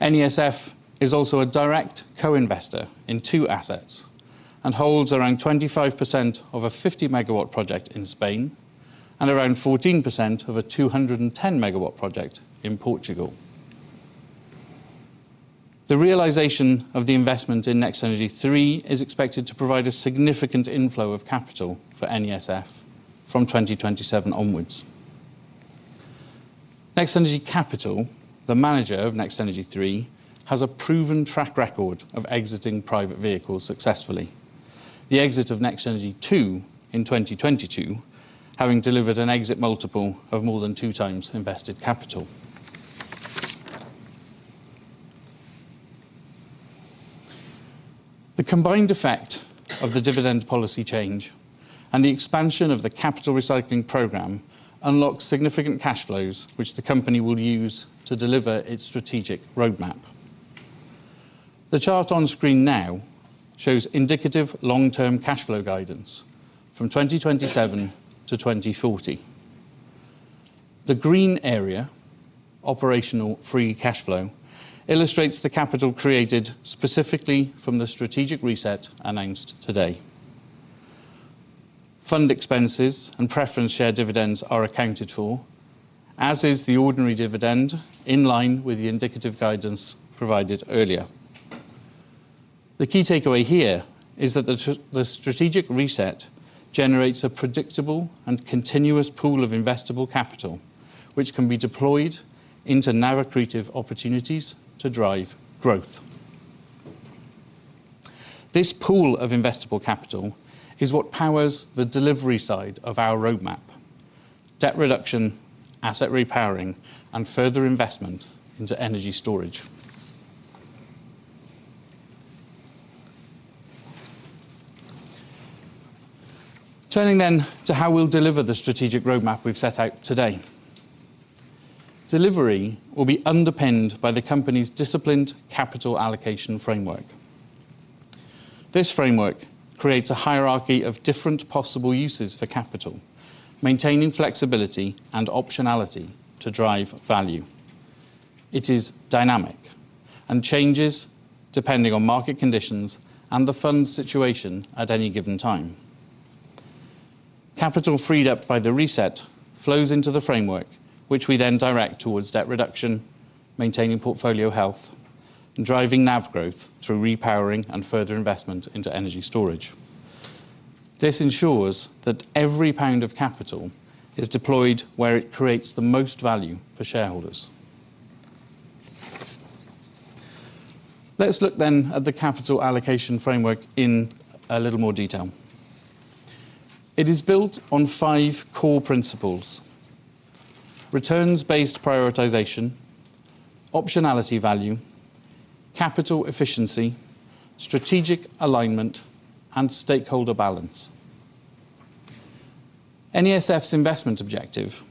NESF is also a direct co-investor in two assets and holds around 25% of a 50-MW project in Spain and around 14% of a 210-MW project in Portugal. The realization of the investment in NextEnergy III is expected to provide a significant inflow of capital for NESF from 2027 onwards. NextEnergy Capital, the manager of NextEnergy III, has a proven track record of exiting private vehicles successfully. The exit of NextEnergy II in 2022, having delivered an exit multiple of more than 2x invested capital. The combined effect of the dividend policy change and the expansion of the capital recycling program unlocks significant cash flows which the company will use to deliver its strategic roadmap. The chart on screen now shows indicative long-term cash flow guidance from 2027 to 2040. The green area, operational free cash flow, illustrates the capital created specifically from the strategic reset announced today. Fund expenses and preference share dividends are accounted for, as is the ordinary dividend in line with the indicative guidance provided earlier. The key takeaway here is that the strategic reset generates a predictable and continuous pool of investable capital, which can be deployed into now accretive opportunities to drive growth. This pool of investable capital is what powers the delivery side of our roadmap, debt reduction, asset repowering, and further investment into energy storage. Turning then to how we'll deliver the strategic roadmap we've set out today. Delivery will be underpinned by the company's disciplined capital allocation framework. This framework creates a hierarchy of different possible uses for capital, maintaining flexibility and optionality to drive value. It is dynamic and changes depending on market conditions and the fund's situation at any given time. Capital freed up by the reset flows into the framework, which we then direct towards debt reduction, maintaining portfolio health, and driving NAV growth through repowering and further investment into energy storage. This ensures that every pound of capital is deployed where it creates the most value for shareholders. Let's look then at the capital allocation framework in a little more detail. It is built on five core principles, returns-based prioritization, optionality value, capital efficiency, strategic alignment, and stakeholder balance. NESF's investment objective,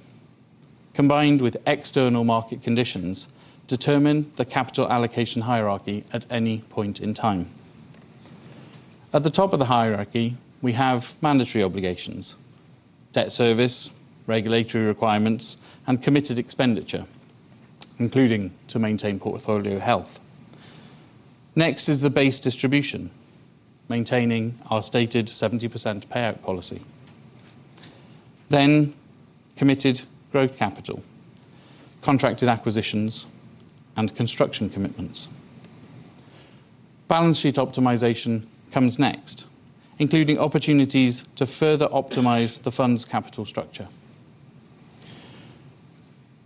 combined with external market conditions, determine the capital allocation hierarchy at any point in time. At the top of the hierarchy, we have mandatory obligations, debt service, regulatory requirements, and committed expenditure, including to maintain portfolio health. Next is the base distribution, maintaining our stated 70% payout policy. Then committed growth capital, contracted acquisitions, and construction commitments. Balance sheet optimization comes next, including opportunities to further optimize the fund's capital structure.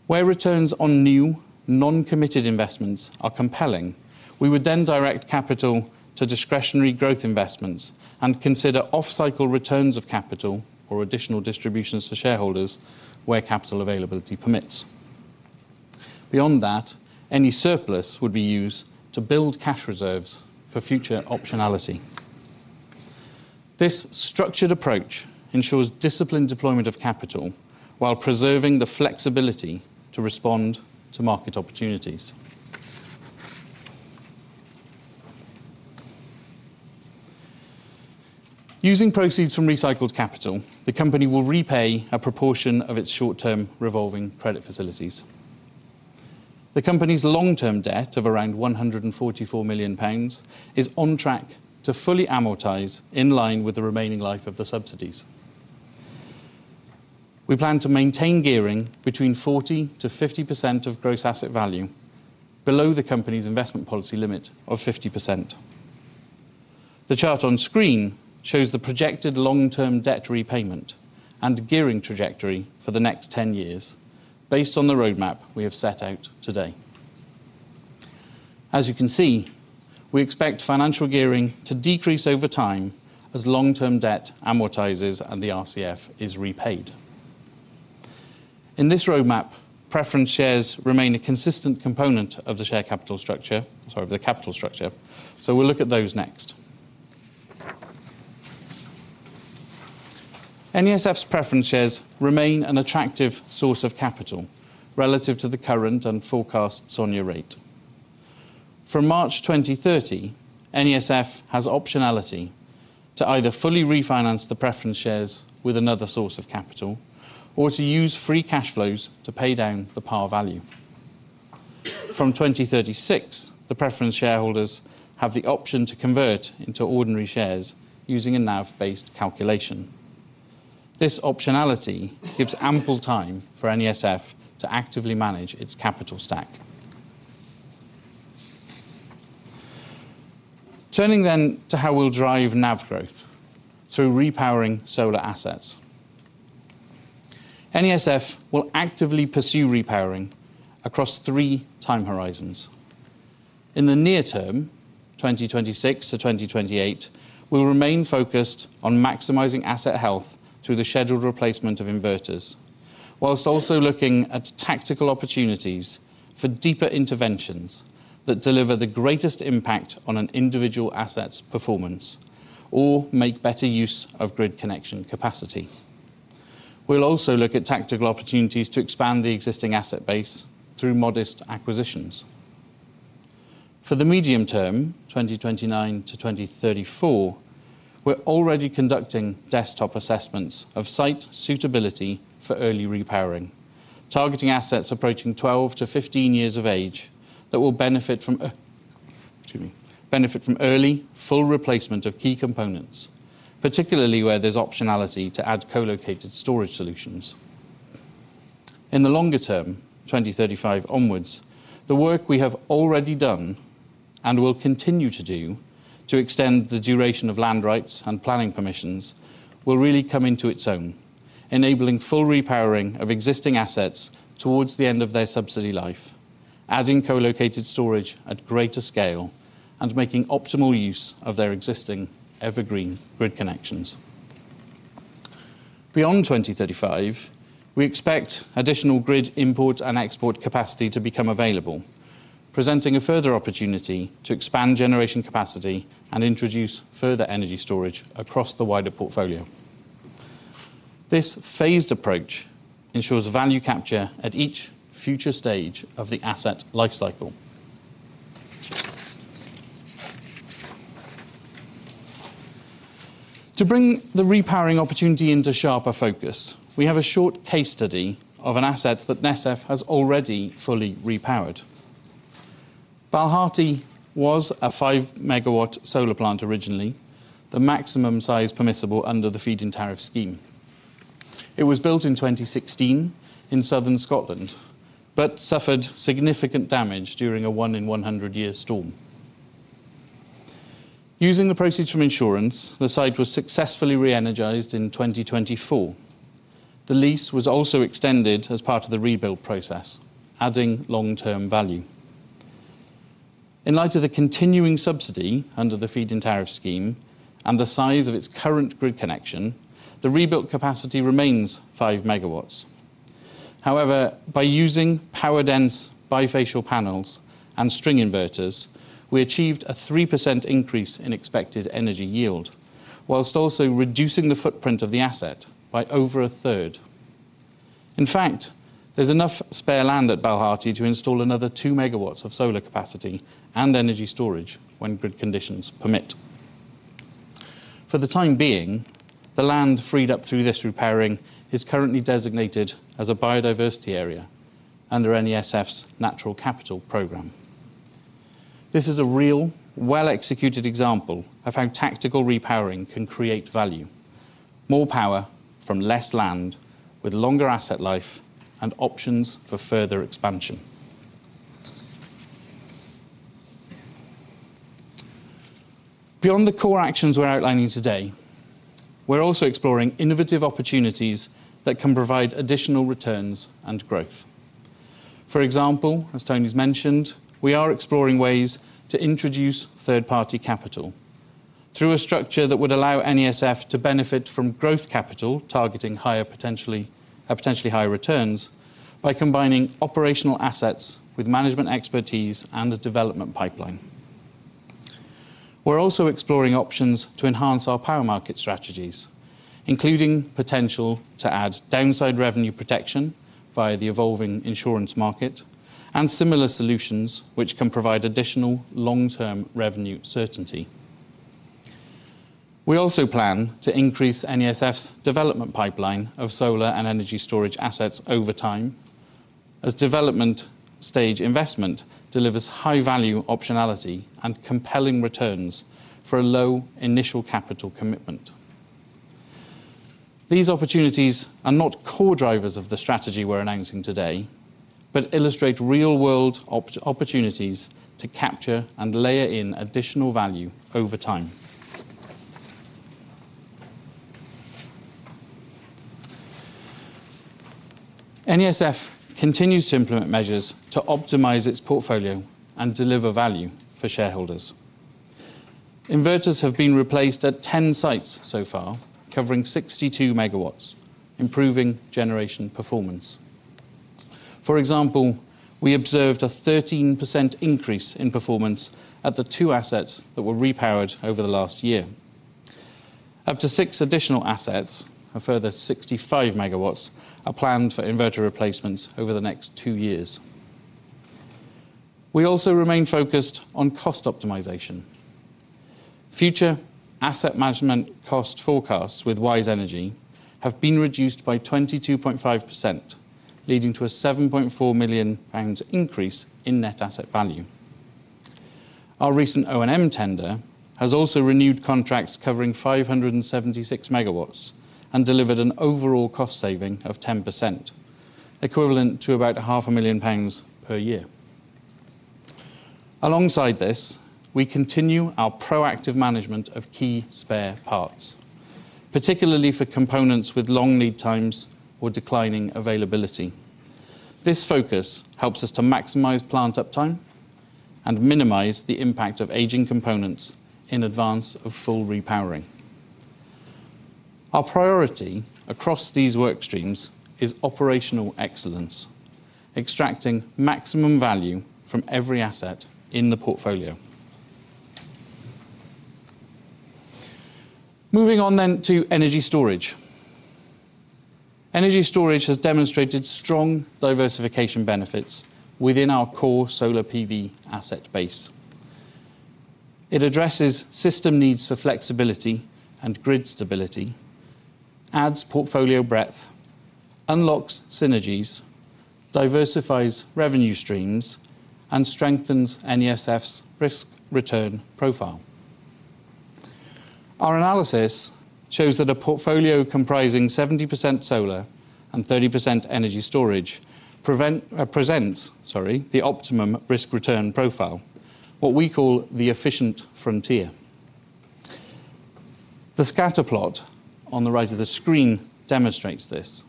Where returns on new, non-committed investments are compelling, we would then direct capital to discretionary growth investments and consider off-cycle returns of capital or additional distributions to shareholders where capital availability permits. Beyond that, any surplus would be used to build cash reserves for future optionality. This structured approach ensures disciplined deployment of capital while preserving the flexibility to respond to market opportunities. Using proceeds from recycled capital, the company will repay a proportion of its short-term revolving credit facilities. The company's long-term debt of around 144 million pounds is on track to fully amortize in line with the remaining life of the subsidies. We plan to maintain gearing between 40%-50% of gross asset value below the company's investment policy limit of 50%. The chart on screen shows the projected long-term debt repayment and gearing trajectory for the next 10 years based on the roadmap we have set out today. As you can see, we expect financial gearing to decrease over time as long-term debt amortizes and the RCF is repaid. In this roadmap, preference shares remain a consistent component of the capital structure, so we'll look at those next. NESF's preference shares remain an attractive source of capital relative to the current and forecast SONIA rate. From March 2030, NESF has optionality to either fully refinance the preference shares with another source of capital or to use free cash flows to pay down the par value. From 2036, the preference shareholders have the option to convert into ordinary shares using a NAV-based calculation. This optionality gives ample time for NESF to actively manage its capital stack. Turning then to how we'll drive NAV growth through repowering solar assets. NESF will actively pursue repowering across three time horizons. In the near term, 2026-2028, we'll remain focused on maximizing asset health through the scheduled replacement of inverters, while also looking at tactical opportunities for deeper interventions that deliver the greatest impact on an individual asset's performance or make better use of grid connection capacity. We'll also look at tactical opportunities to expand the existing asset base through modest acquisitions. For the medium term, 2029-2034, we're already conducting desktop assessments of site suitability for early repowering, targeting assets approaching 12-15 years of age that will benefit from early full replacement of key components, particularly where there's optionality to add co-located storage solutions. In the longer term, 2035 onwards, the work we have already done and will continue to do to extend the duration of land rights and planning permissions will really come into its own, enabling full repowering of existing assets towards the end of their subsidy life, adding co-located storage at greater scale, and making optimal use of their existing evergreen grid connections. Beyond 2035, we expect additional grid import and export capacity to become available, presenting a further opportunity to expand generation capacity and introduce further energy storage across the wider portfolio. This phased approach ensures value capture at each future stage of the asset lifecycle. To bring the repowering opportunity into sharper focus, we have a short case study of an asset that NESF has already fully repowered. Balhearty was a 5 MW solar plant originally, the maximum size permissible under the Feed-in Tariff scheme. It was built in 2016 in southern Scotland, but suffered significant damage during a 1-in-100-year storm. Using the proceeds from insurance, the site was successfully re-energized in 2024. The lease was also extended as part of the rebuild process, adding long-term value. In light of the continuing subsidy under the Feed-in Tariff scheme and the size of its current grid connection, the rebuilt capacity remains 5 MW. However, by using power-dense bifacial panels and string inverters, we achieved a 3% increase in expected energy yield while also reducing the footprint of the asset by over a third. In fact, there's enough spare land at Balhearty to install another 2 MW of solar capacity and energy storage when grid conditions permit. For the time being, the land freed up through this repowering is currently designated as a biodiversity area under NESF's Natural Capital Programme. This is a real, well-executed example of how tactical repowering can create value, more power from less land with longer asset life and options for further expansion. Beyond the core actions we're outlining today, we're also exploring innovative opportunities that can provide additional returns and growth. For example, as Tony's mentioned, we are exploring ways to introduce third-party capital through a structure that would allow NESF to benefit from growth capital targeting potentially higher returns by combining operational assets with management expertise and a development pipeline. We're also exploring options to enhance our power market strategies, including potential to add downside revenue protection via the evolving insurance market and similar solutions which can provide additional long-term revenue certainty. We also plan to increase NESF's development pipeline of solar and energy storage assets over time, as development stage investment delivers high value optionality and compelling returns for a low initial capital commitment. These opportunities are not core drivers of the strategy we're announcing today, but illustrate real-world opportunities to capture and layer in additional value over time. NESF continues to implement measures to optimize its portfolio and deliver value for shareholders. Inverters have been replaced at 10 sites so far, covering 62 MW, improving generation performance. For example, we observed a 13% increase in performance at the two assets that were repowered over the last year. Up to six additional assets, a further 65 MW, are planned for inverter replacements over the next two years. We also remain focused on cost optimization. Future asset management cost forecasts with WiseEnergy have been reduced by 22.5%, leading to a 7.4 million pounds increase in net asset value. Our recent O&M tender has also renewed contracts covering 576 MW and delivered an overall cost saving of 10%, equivalent to about half a million GBP per year. Alongside this, we continue our proactive management of key spare parts, particularly for components with long lead times or declining availability. This focus helps us to maximize plant uptime and minimize the impact of aging components in advance of full repowering. Our priority across these work streams is operational excellence, extracting maximum value from every asset in the portfolio. Moving on to energy storage. Energy storage has demonstrated strong diversification benefits within our core solar PV asset base. It addresses system needs for flexibility and grid stability, adds portfolio breadth, unlocks synergies, diversifies revenue streams, and strengthens NESF's risk-return profile. Our analysis shows that a portfolio comprising 70% solar and 30% energy storage presents the optimum risk-return profile, what we call the efficient frontier. The scatter plot on the right of the screen demonstrates this.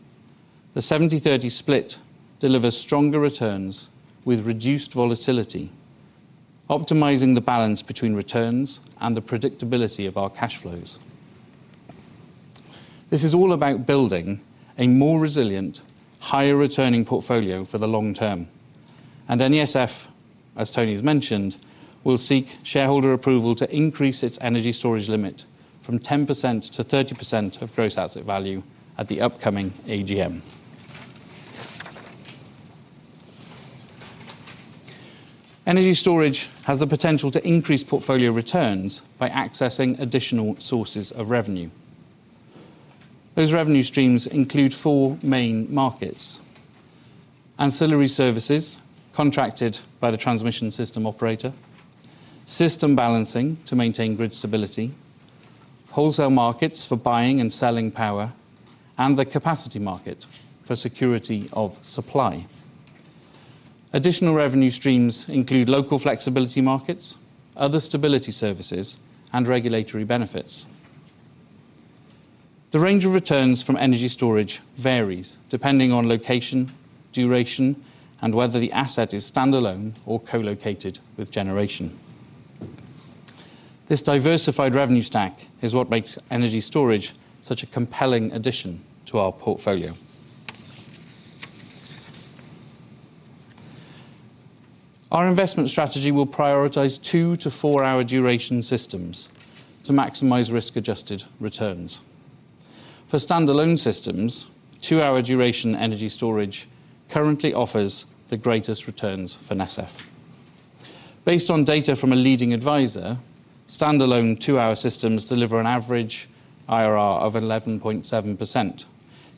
The 70/30 split delivers stronger returns with reduced volatility, optimizing the balance between returns and the predictability of our cash flows. This is all about building a more resilient, higher returning portfolio for the long term. NESF, as Tony has mentioned, will seek shareholder approval to increase its energy storage limit from 10% to 30% of gross asset value at the upcoming AGM. Energy storage has the potential to increase portfolio returns by accessing additional sources of revenue. Those revenue streams include 4 main markets, ancillary services contracted by the transmission system operator, system balancing to maintain grid stability, wholesale markets for buying and selling power, and the Capacity Market for security of supply. Additional revenue streams include local flexibility markets, other stability services, and regulatory benefits. The range of returns from energy storage varies depending on location, duration, and whether the asset is standalone or co-located with generation. This diversified revenue stack is what makes energy storage such a compelling addition to our portfolio. Our investment strategy will prioritize two- to four-hour duration systems to maximize risk-adjusted returns. For standalone systems, two-hour duration energy storage currently offers the greatest returns for NESF. Based on data from a leading advisor, standalone two-hour systems deliver an average IRR of 11.7%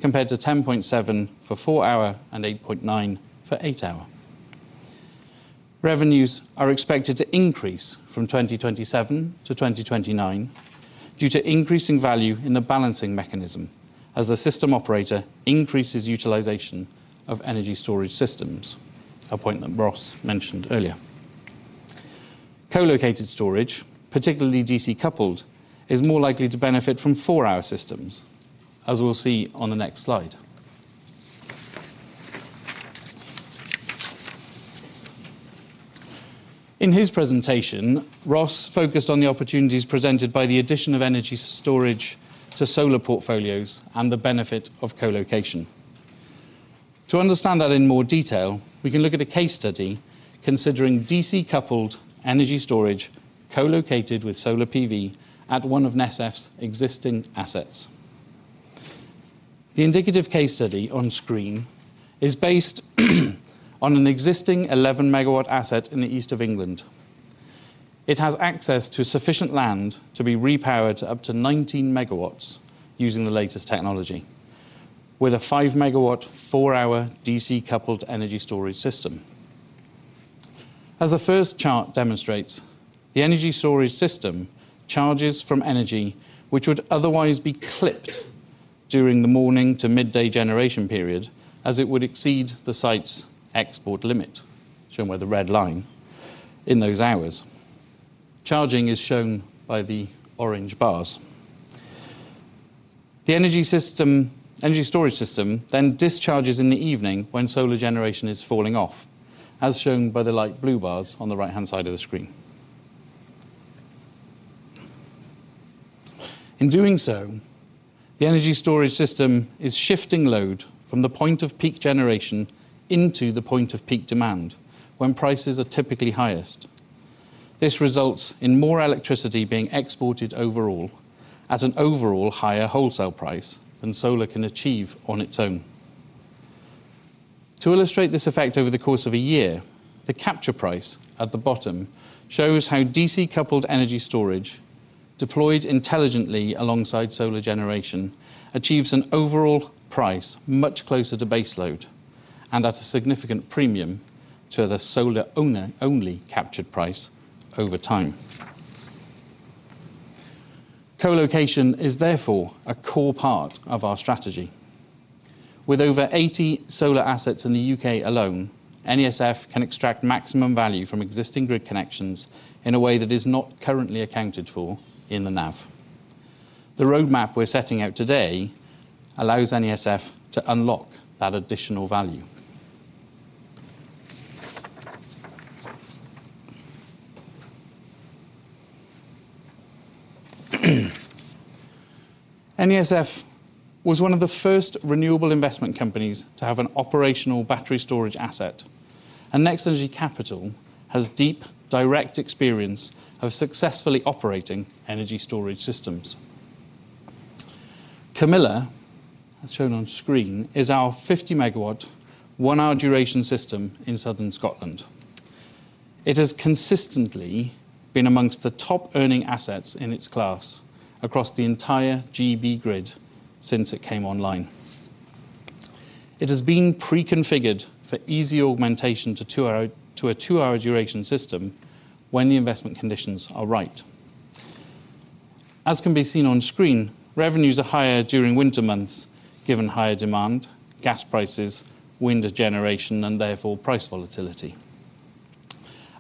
compared to 10.7% for four-hour and 8.9% for eight-hour. Revenues are expected to increase from 2027-2029 due to increasing value in the Balancing Mechanism as the system operator increases utilization of energy storage systems, a point that Ross mentioned earlier. Co-located storage, particularly DC-coupled, is more likely to benefit from four-hour systems, as we'll see on the next slide. In his presentation, Ross focused on the opportunities presented by the addition of energy storage to solar portfolios and the benefit of co-location. To understand that in more detail, we can look at a case study considering DC-coupled energy storage co-located with solar PV at one of NESF's existing assets. The indicative case study on screen is based on an existing 11 MW asset in the East of England. It has access to sufficient land to be repowered to up to 19 MW using the latest technology with a 5-MW, four-hour DC-coupled energy storage system. As the first chart demonstrates, the energy storage system charges from energy which would otherwise be clipped during the morning to midday generation period as it would exceed the site's export limit, shown by the red line in those hours. Charging is shown by the orange bars. The energy storage system then discharges in the evening when solar generation is falling off, as shown by the light blue bars on the right-hand side of the screen. In doing so, the energy storage system is shifting load from the point of peak generation into the point of peak demand when prices are typically highest. This results in more electricity being exported overall at an overall higher wholesale price than solar can achieve on its own. To illustrate this effect over the course of a year, the capture price at the bottom shows how DC-coupled energy storage deployed intelligently alongside solar generation achieves an overall price much closer to base load and at a significant premium to the solar owner-only captured price over time. Co-location is therefore a core part of our strategy. With over 80 solar assets in the U.K. alone, NESF can extract maximum value from existing grid connections in a way that is not currently accounted for in the NAV. The roadmap we're setting out today allows NESF to unlock that additional value. NESF was one of the first renewable investment companies to have an operational battery storage asset, and NextEnergy Capital has deep direct experience of successfully operating energy storage systems. Camilla, as shown on screen, is our 50 MW one-hour duration system in southern Scotland. It has consistently been among the top earning assets in its class across the entire GB grid since it came online. It has been pre-configured for easy augmentation to a two-hour duration system when the investment conditions are right. As can be seen on screen, revenues are higher during winter months given higher demand, gas prices, wind generation and therefore price volatility.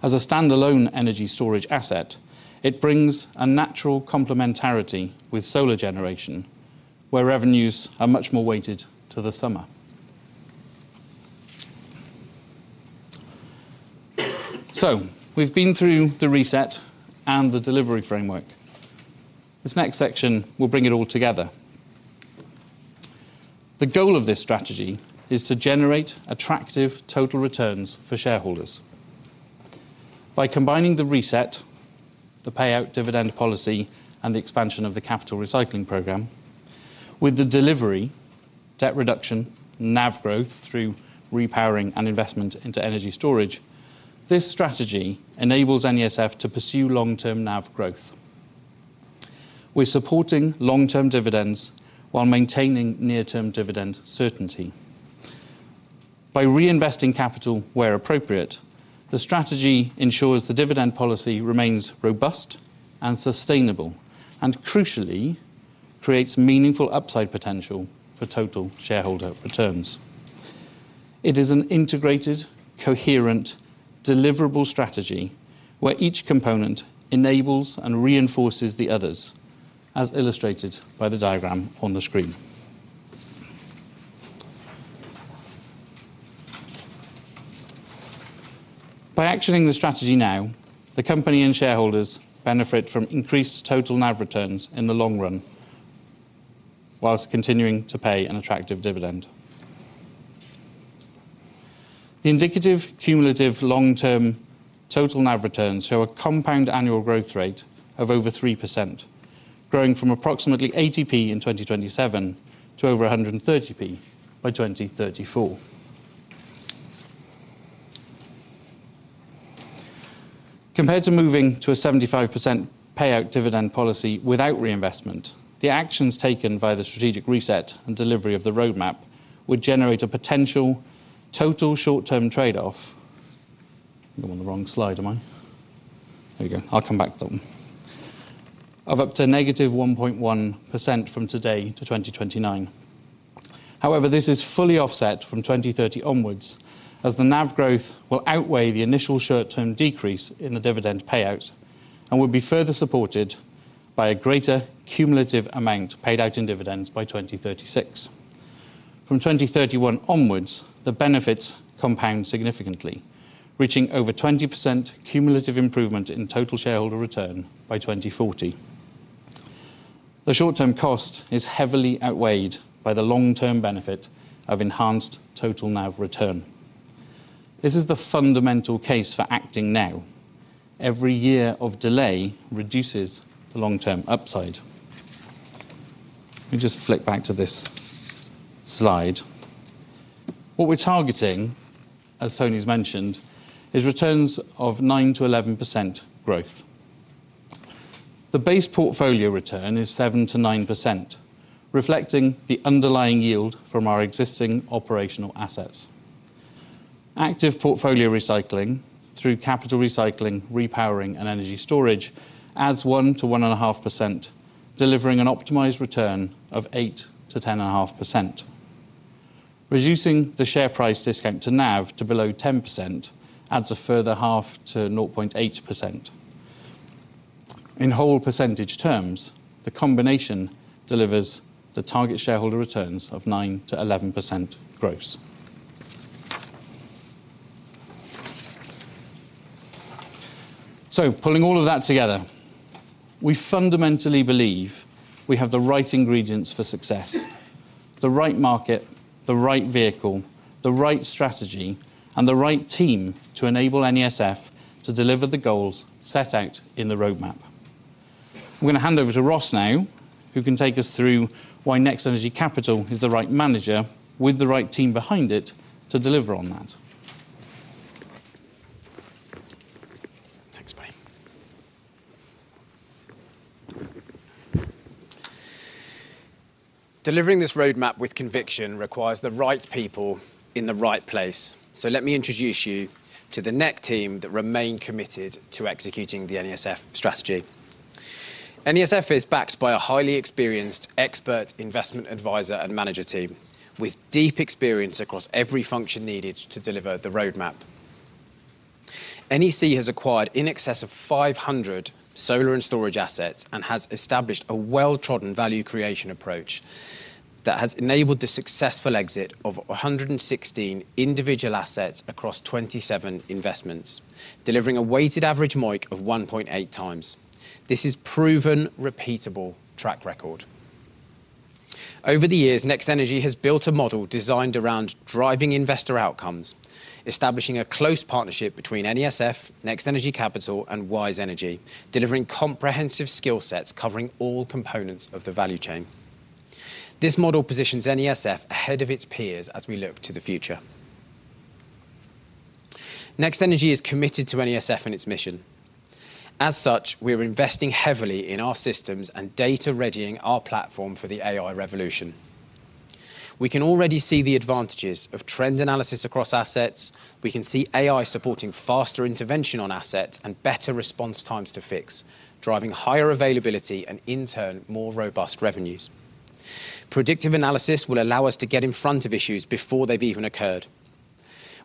As a standalone energy storage asset, it brings a natural complementarity with solar generation, where revenues are much more weighted to the summer. We've been through the reset and the delivery framework. This next section will bring it all together. The goal of this strategy is to generate attractive total returns for shareholders. By combining the reset, the payout dividend policy, and the expansion of the capital recycling program with the delivery, debt reduction, NAV growth through repowering and investment into energy storage, this strategy enables NESF to pursue long-term NAV growth. We're supporting long-term dividends while maintaining near-term dividend certainty. By reinvesting capital where appropriate, the strategy ensures the dividend policy remains robust and sustainable, and crucially creates meaningful upside potential for total shareholder returns. It is an integrated, coherent, deliverable strategy where each component enables and reinforces the others, as illustrated by the diagram on the screen. By actioning the strategy now, the company and shareholders benefit from increased total NAV returns in the long run whilst continuing to pay an attractive dividend. The indicative cumulative long-term total NAV returns show a compound annual growth rate of over 3%, growing from approximately 0.80 in 2027 to over 1.30 by 2034. Compared to moving to a 75% payout dividend policy without reinvestment, the actions taken via the strategic reset and delivery of the roadmap would generate a potential total short-term trade-off. I'm on the wrong slide, am I? There you go. I'll come back to them. Of up to -1.1% from today to 2029. However, this is fully offset from 2030 onwards as the NAV growth will outweigh the initial short-term decrease in the dividend payout and will be further supported by a greater cumulative amount paid out in dividends by 2036. From 2031 onwards, the benefits compound significantly, reaching over 20% cumulative improvement in total shareholder return by 2040. The short-term cost is heavily outweighed by the long-term benefit of enhanced total NAV return. This is the fundamental case for acting now. Every year of delay reduces the long-term upside. Let me just flip back to this slide. What we're targeting, as Tony's mentioned, is returns of 9%-11% growth. The base portfolio return is 7%-9%, reflecting the underlying yield from our existing operational assets. Active portfolio recycling through capital recycling, repowering, and energy storage adds 1%-1.5%, delivering an optimized return of 8%-10.5%. Reducing the share price discount to NAV to below 10% adds a further 0.5%-0.8%. In whole percentage terms, the combination delivers the target shareholder returns of 9%-11% gross. Pulling all of that together, we fundamentally believe we have the right ingredients for success, the right market, the right vehicle, the right strategy, and the right team to enable NESF to deliver the goals set out in the roadmap. I'm gonna hand over to Ross now, who can take us through why NextEnergy Capital is the right manager with the right team behind it to deliver on that. Thanks, buddy. Delivering this roadmap with conviction requires the right people in the right place. Let me introduce you to the NEC team that remain committed to executing the NESF strategy. NESF is backed by a highly experienced expert investment advisor and manager team with deep experience across every function needed to deliver the roadmap. NEC has acquired in excess of 500 solar and storage assets and has established a well-trodden value creation approach that has enabled the successful exit of 116 individual assets across 27 investments, delivering a weighted average MOIC of 1.8x. This is proven repeatable track record. Over the years, NextEnergy has built a model designed around driving investor outcomes, establishing a close partnership between NESF, NextEnergy Capital and WiseEnergy, delivering comprehensive skill sets covering all components of the value chain. This model positions NESF ahead of its peers as we look to the future. NextEnergy is committed to NESF and its mission. As such, we're investing heavily in our systems and data readying our platform for the AI revolution. We can already see the advantages of trend analysis across assets. We can see AI supporting faster intervention on assets and better response times to fix, driving higher availability and in turn, more robust revenues. Predictive analysis will allow us to get in front of issues before they've even occurred.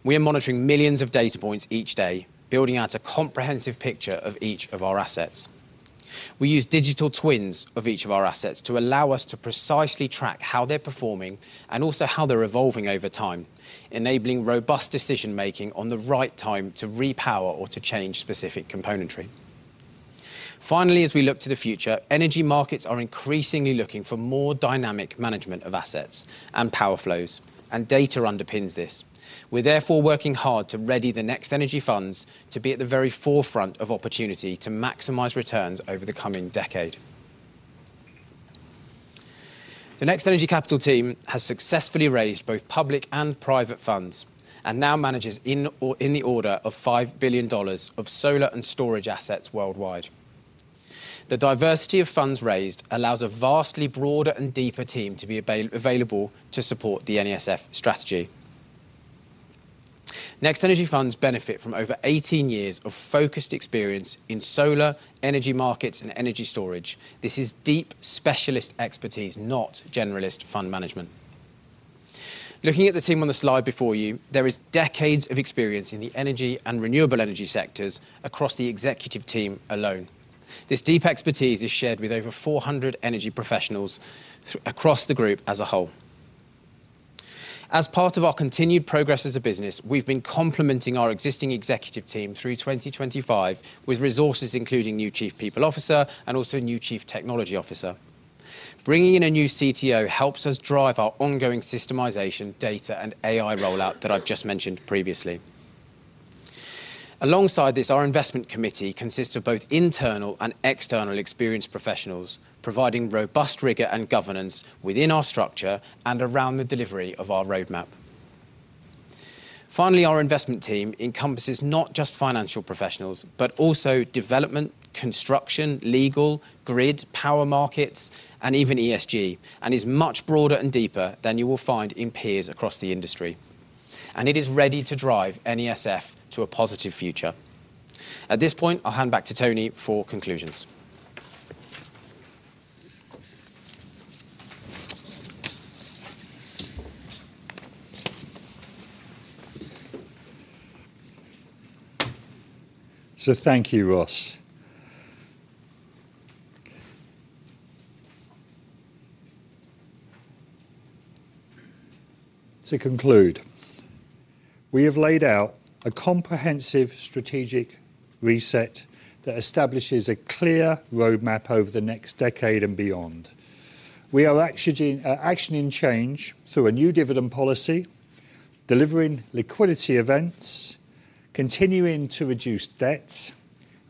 We are monitoring millions of data points each day, building out a comprehensive picture of each of our assets. We use digital twins of each of our assets to allow us to precisely track how they're performing and also how they're evolving over time, enabling robust decision-making on the right time to repower or to change specific componentry. Finally, as we look to the future, energy markets are increasingly looking for more dynamic management of assets and power flows, and data underpins this. We're therefore working hard to ready the NextEnergy funds to be at the very forefront of opportunity to maximize returns over the coming decade. The NextEnergy Capital team has successfully raised both public and private funds and now manages in the order of $5 billion of solar and storage assets worldwide. The diversity of funds raised allows a vastly broader and deeper team to be available to support the NESF strategy. NextEnergy funds benefit from over 18 years of focused experience in solar, energy markets, and energy storage. This is deep specialist expertise, not generalist fund management. Looking at the team on the slide before you, there is decades of experience in the energy and renewable energy sectors across the executive team alone. This deep expertise is shared with over 400 energy professionals across the group as a whole. As part of our continued progress as a business, we've been complementing our existing executive team through 2025 with resources including new Chief People Officer and also new Chief Technology Officer. Bringing in a new CTO helps us drive our ongoing systemization, data, and AI rollout that I've just mentioned previously. Alongside this, our investment committee consists of both internal and external experienced professionals, providing robust rigor and governance within our structure and around the delivery of our roadmap. Finally, our investment team encompasses not just financial professionals, but also development, construction, legal, grid, power markets, and even ESG, and is much broader and deeper than you will find in peers across the industry. It is ready to drive NESF to a positive future. At this point, I'll hand back to Tony for conclusions. Thank you, Ross. To conclude, we have laid out a comprehensive strategic reset that establishes a clear roadmap over the next decade and beyond. We are actioning change through a new dividend policy, delivering liquidity events, continuing to reduce debt,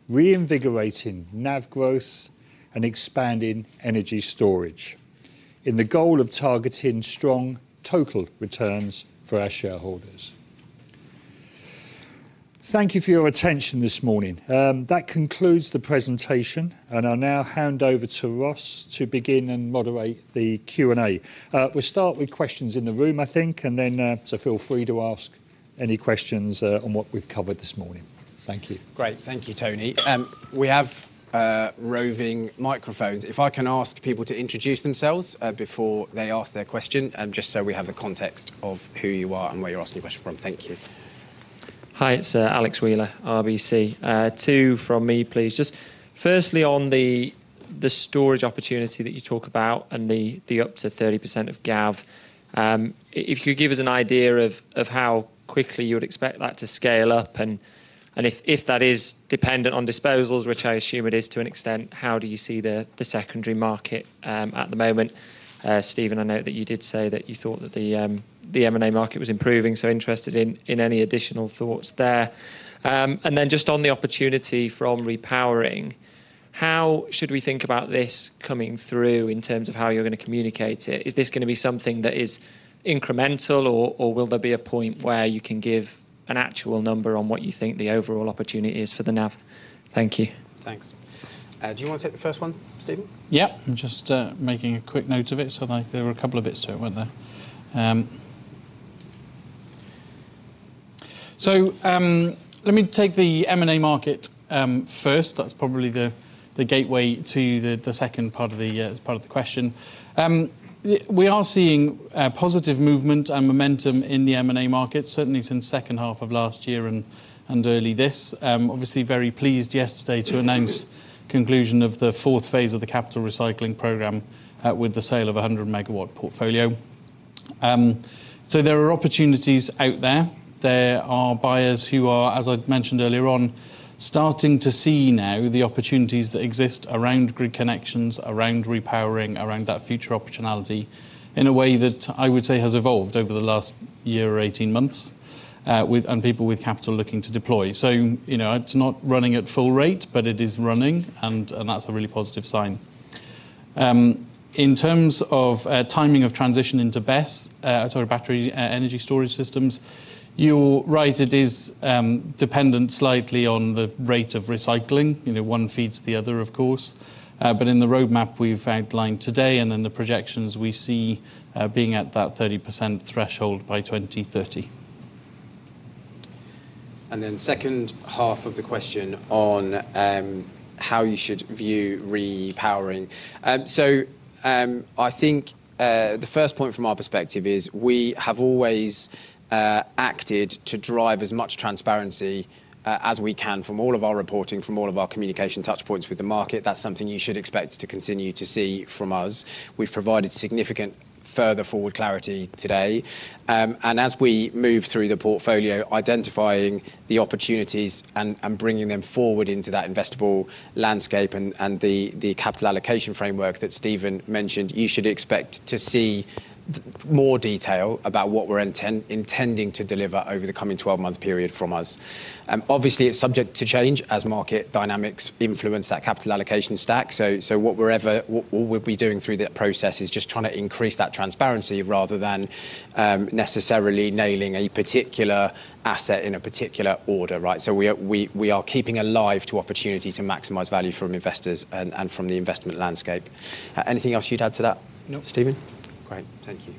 reinvigorating NAV growth, and expanding energy storage with the goal of targeting strong total returns for our shareholders. Thank you for your attention this morning. That concludes the presentation, and I'll now hand over to Ross to begin and moderate the Q&A. We'll start with questions in the room, I think, and then feel free to ask any questions on what we've covered this morning. Thank you. Great. Thank you, Tony. We have roving microphones. If I can ask people to introduce themselves before they ask their question, just so we have the context of who you are and where you're asking your question from. Thank you. Hi, it's Alexander Wheeler, RBC. Two from me, please. Just firstly, on the storage opportunity that you talk about and the up to 30% of GAV. If you give us an idea of how quickly you would expect that to scale up and if that is dependent on disposals, which I assume it is to an extent, how do you see the secondary market at the moment? Stephen, I know that you did say that you thought that the M&A market was improving, so interested in any additional thoughts there. Then just on the opportunity from repowering, how should we think about this coming through in terms of how you're gonna communicate it? Is this gonna be something that is incremental, or will there be a point where you can give an actual number on what you think the overall opportunity is for the NAV? Thank you. Thanks. Do you wanna take the first one, Stephen? Yeah. I'm just making a quick note of it. Like there were a couple of bits to it, weren't there? Let me take the M&A market first. That's probably the gateway to the second part of the part of the question. We are seeing positive movement and momentum in the M&A market, certainly since second half of last year and early this. Obviously very pleased yesterday to announce conclusion of the fourth phase of the capital recycling program with the sale of a 100-MW portfolio. There are opportunities out there. There are buyers who are, as I mentioned earlier on, starting to see now the opportunities that exist around grid connections, around repowering, around that future optionality in a way that I would say has evolved over the last year or 18 months, with people with capital looking to deploy. You know, it's not running at full rate, but it is running and that's a really positive sign. In terms of timing of transition into BESS, sorry, battery energy storage systems, you're right, it is dependent slightly on the rate of recycling. You know, one feeds the other of course. But in the roadmap we've outlined today and in the projections we see, being at that 30% threshold by 2030. Second half of the question on how you should view repowering. I think the first point from our perspective is we have always acted to drive as much transparency as we can from all of our reporting, from all of our communication touch points with the market. That's something you should expect to continue to see from us. We've provided significant further forward clarity today. As we move through the portfolio, identifying the opportunities and bringing them forward into that investable landscape and the capital allocation framework that Stephen mentioned, you should expect to see more detail about what we're intending to deliver over the coming twelve-month period from us. Obviously it's subject to change as market dynamics influence that capital allocation stack. What we'll be doing through that process is just trying to increase that transparency rather than necessarily nailing a particular asset in a particular order, right? We are keeping alive to opportunity to maximize value from investors and from the investment landscape. Anything else you'd add to that? No Stephen? Great. Thank you.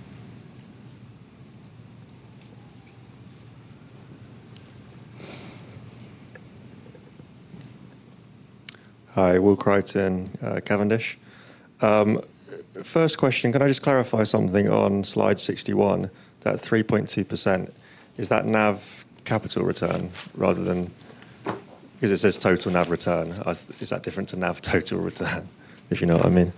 Hi, Will Crighton, Cavendish. First question, can I just clarify something on slide 61, that 3.2%, is that NAV capital return rather than because it says total NAV return. Is that different to NAV total return? If you know what I mean.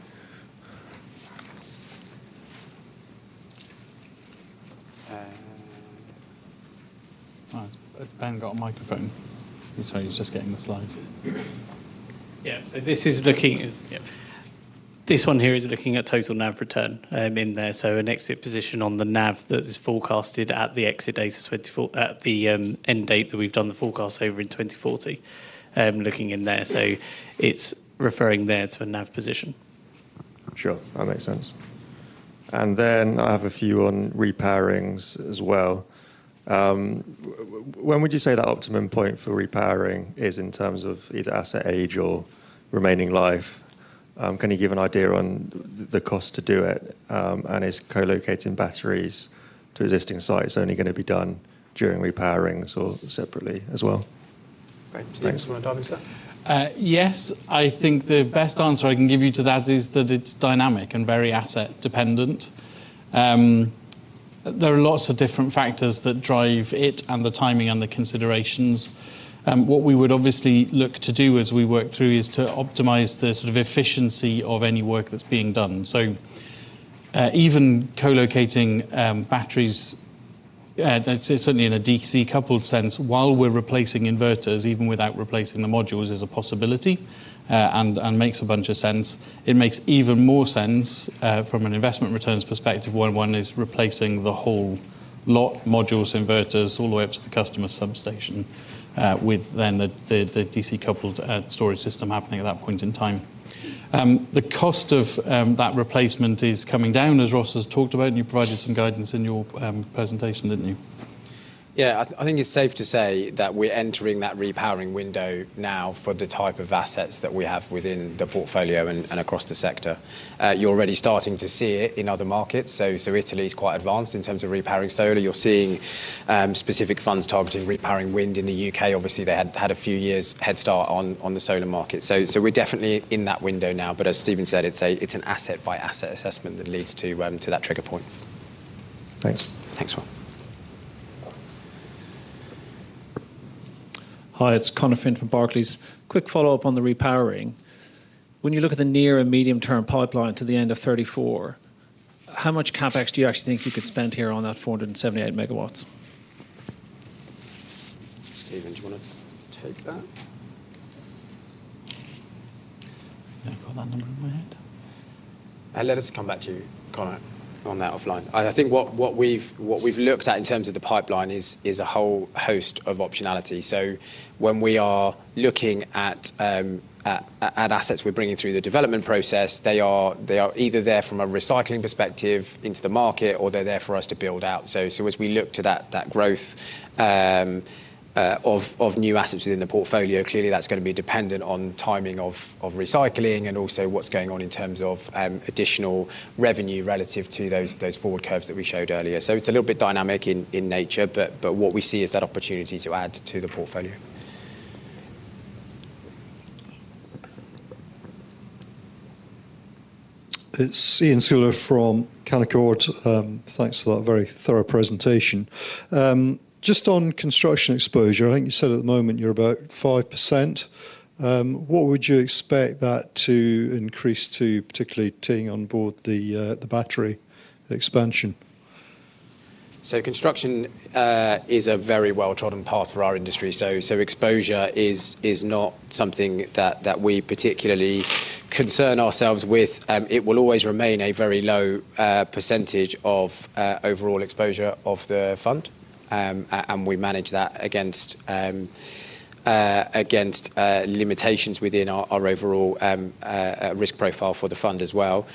Has Ben got a microphone? Sorry, he's just getting the slide. Yep. This one here is looking at total NAV return in there. An exit position on the NAV that is forecasted at the end date that we've done the forecast over in 2040, looking in there. It's referring there to a NAV position. Sure. That makes sense. I have a few on repowerings as well. When would you say that optimum point for repowering is in terms of either asset age or remaining life? Can you give an idea on the cost to do it? Is co-locating batteries to existing sites only gonna be done during repowerings or separately as well? Great. Stephen, do you wanna dive into that? Yes. I think the best answer I can give you to that is that it's dynamic and very asset dependent. There are lots of different factors that drive it and the timing and the considerations. What we would obviously look to do as we work through is to optimize the sort of efficiency of any work that's being done. Even co-locating batteries, certainly in a DC-coupled sense while we're replacing inverters, even without replacing the modules is a possibility, and makes a bunch of sense. It makes even more sense from an investment returns perspective when one is replacing the whole lot, modules, inverters, all the way up to the customer substation, with then the DC-coupled storage system happening at that point in time. The cost of that replacement is coming down, as Ross has talked about, and you provided some guidance in your presentation, didn't you? Yeah. I think it's safe to say that we are entering that repowering window now for the type of assets that we have within the portfolio and across the sector. You're already starting to see it in other markets. Italy's quite advanced in terms of repowering solar. You're seeing specific funds targeting repowering wind in the U.K. Obviously, they had a few years head start on the solar market. We're definitely in that window now. As Stephen said, it's an asset by asset assessment that leads to that trigger point. Thanks. Thanks, Will. Hi, it's Connor Finch from Barclays. Quick follow-up on the repowering. When you look at the near and medium-term pipeline to the end of 2034, how much CapEx do you actually think you could spend here on that 478 MW? Stephen, do you wanna take that? I don't got that number in my head. Let us come back to you, Connor, on that offline. I think what we've looked at in terms of the pipeline is a whole host of optionality. When we are looking at assets we're bringing through the development process, they are either there from a recycling perspective into the market, or they're there for us to build out. As we look to that growth of new assets within the portfolio, clearly that's gonna be dependent on timing of recycling and also what's going on in terms of additional revenue relative to those forward curves that we showed earlier. It's a little bit dynamic in nature, but what we see is that opportunity to add to the portfolio. It's Iain Scouller from Canaccord. Thanks for that very thorough presentation. Just on construction exposure, I think you said at the moment you're about 5%. What would you expect that to increase to, particularly bringing on board the battery expansion? Construction is a very well-trodden path for our industry. Exposure is not something that we particularly concern ourselves with. It will always remain a very low percentage of overall exposure of the fund. We manage that against limitations within our overall risk profile for the fund as well.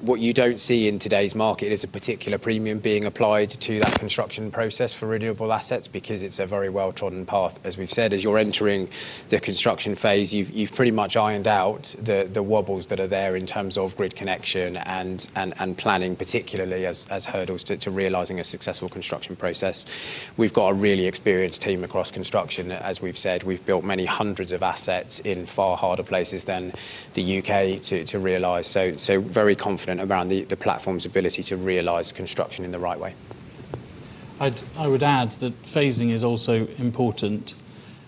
What you don't see in today's market is a particular premium being applied to that construction process for renewable assets because it's a very well-trodden path, as we've said. As you're entering the construction phase, you've pretty much ironed out the wobbles that are there in terms of grid connection and planning particularly as hurdles to realizing a successful construction process. We've got a really experienced team across construction. As we've said, we've built many hundreds of assets in far harder places than the U.K. to realize, so very confident around the platform's ability to realize construction in the right way. I would add that phasing is also important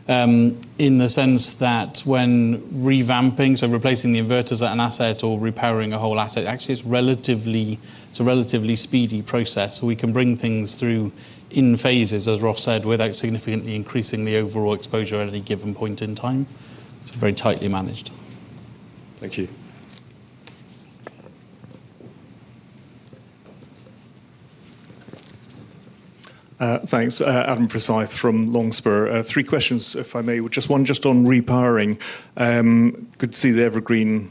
in the sense that when revamping, so replacing the inverters at an asset or repowering a whole asset, actually it's a relatively speedy process. We can bring things through in phases, as Ross said, without significantly increasing the overall exposure at any given point in time. It's very tightly managed. Thank you. Thanks. Adam Forsyth from Longspur Capital. Three questions, if I may. Just one on repowering. Could see the evergreen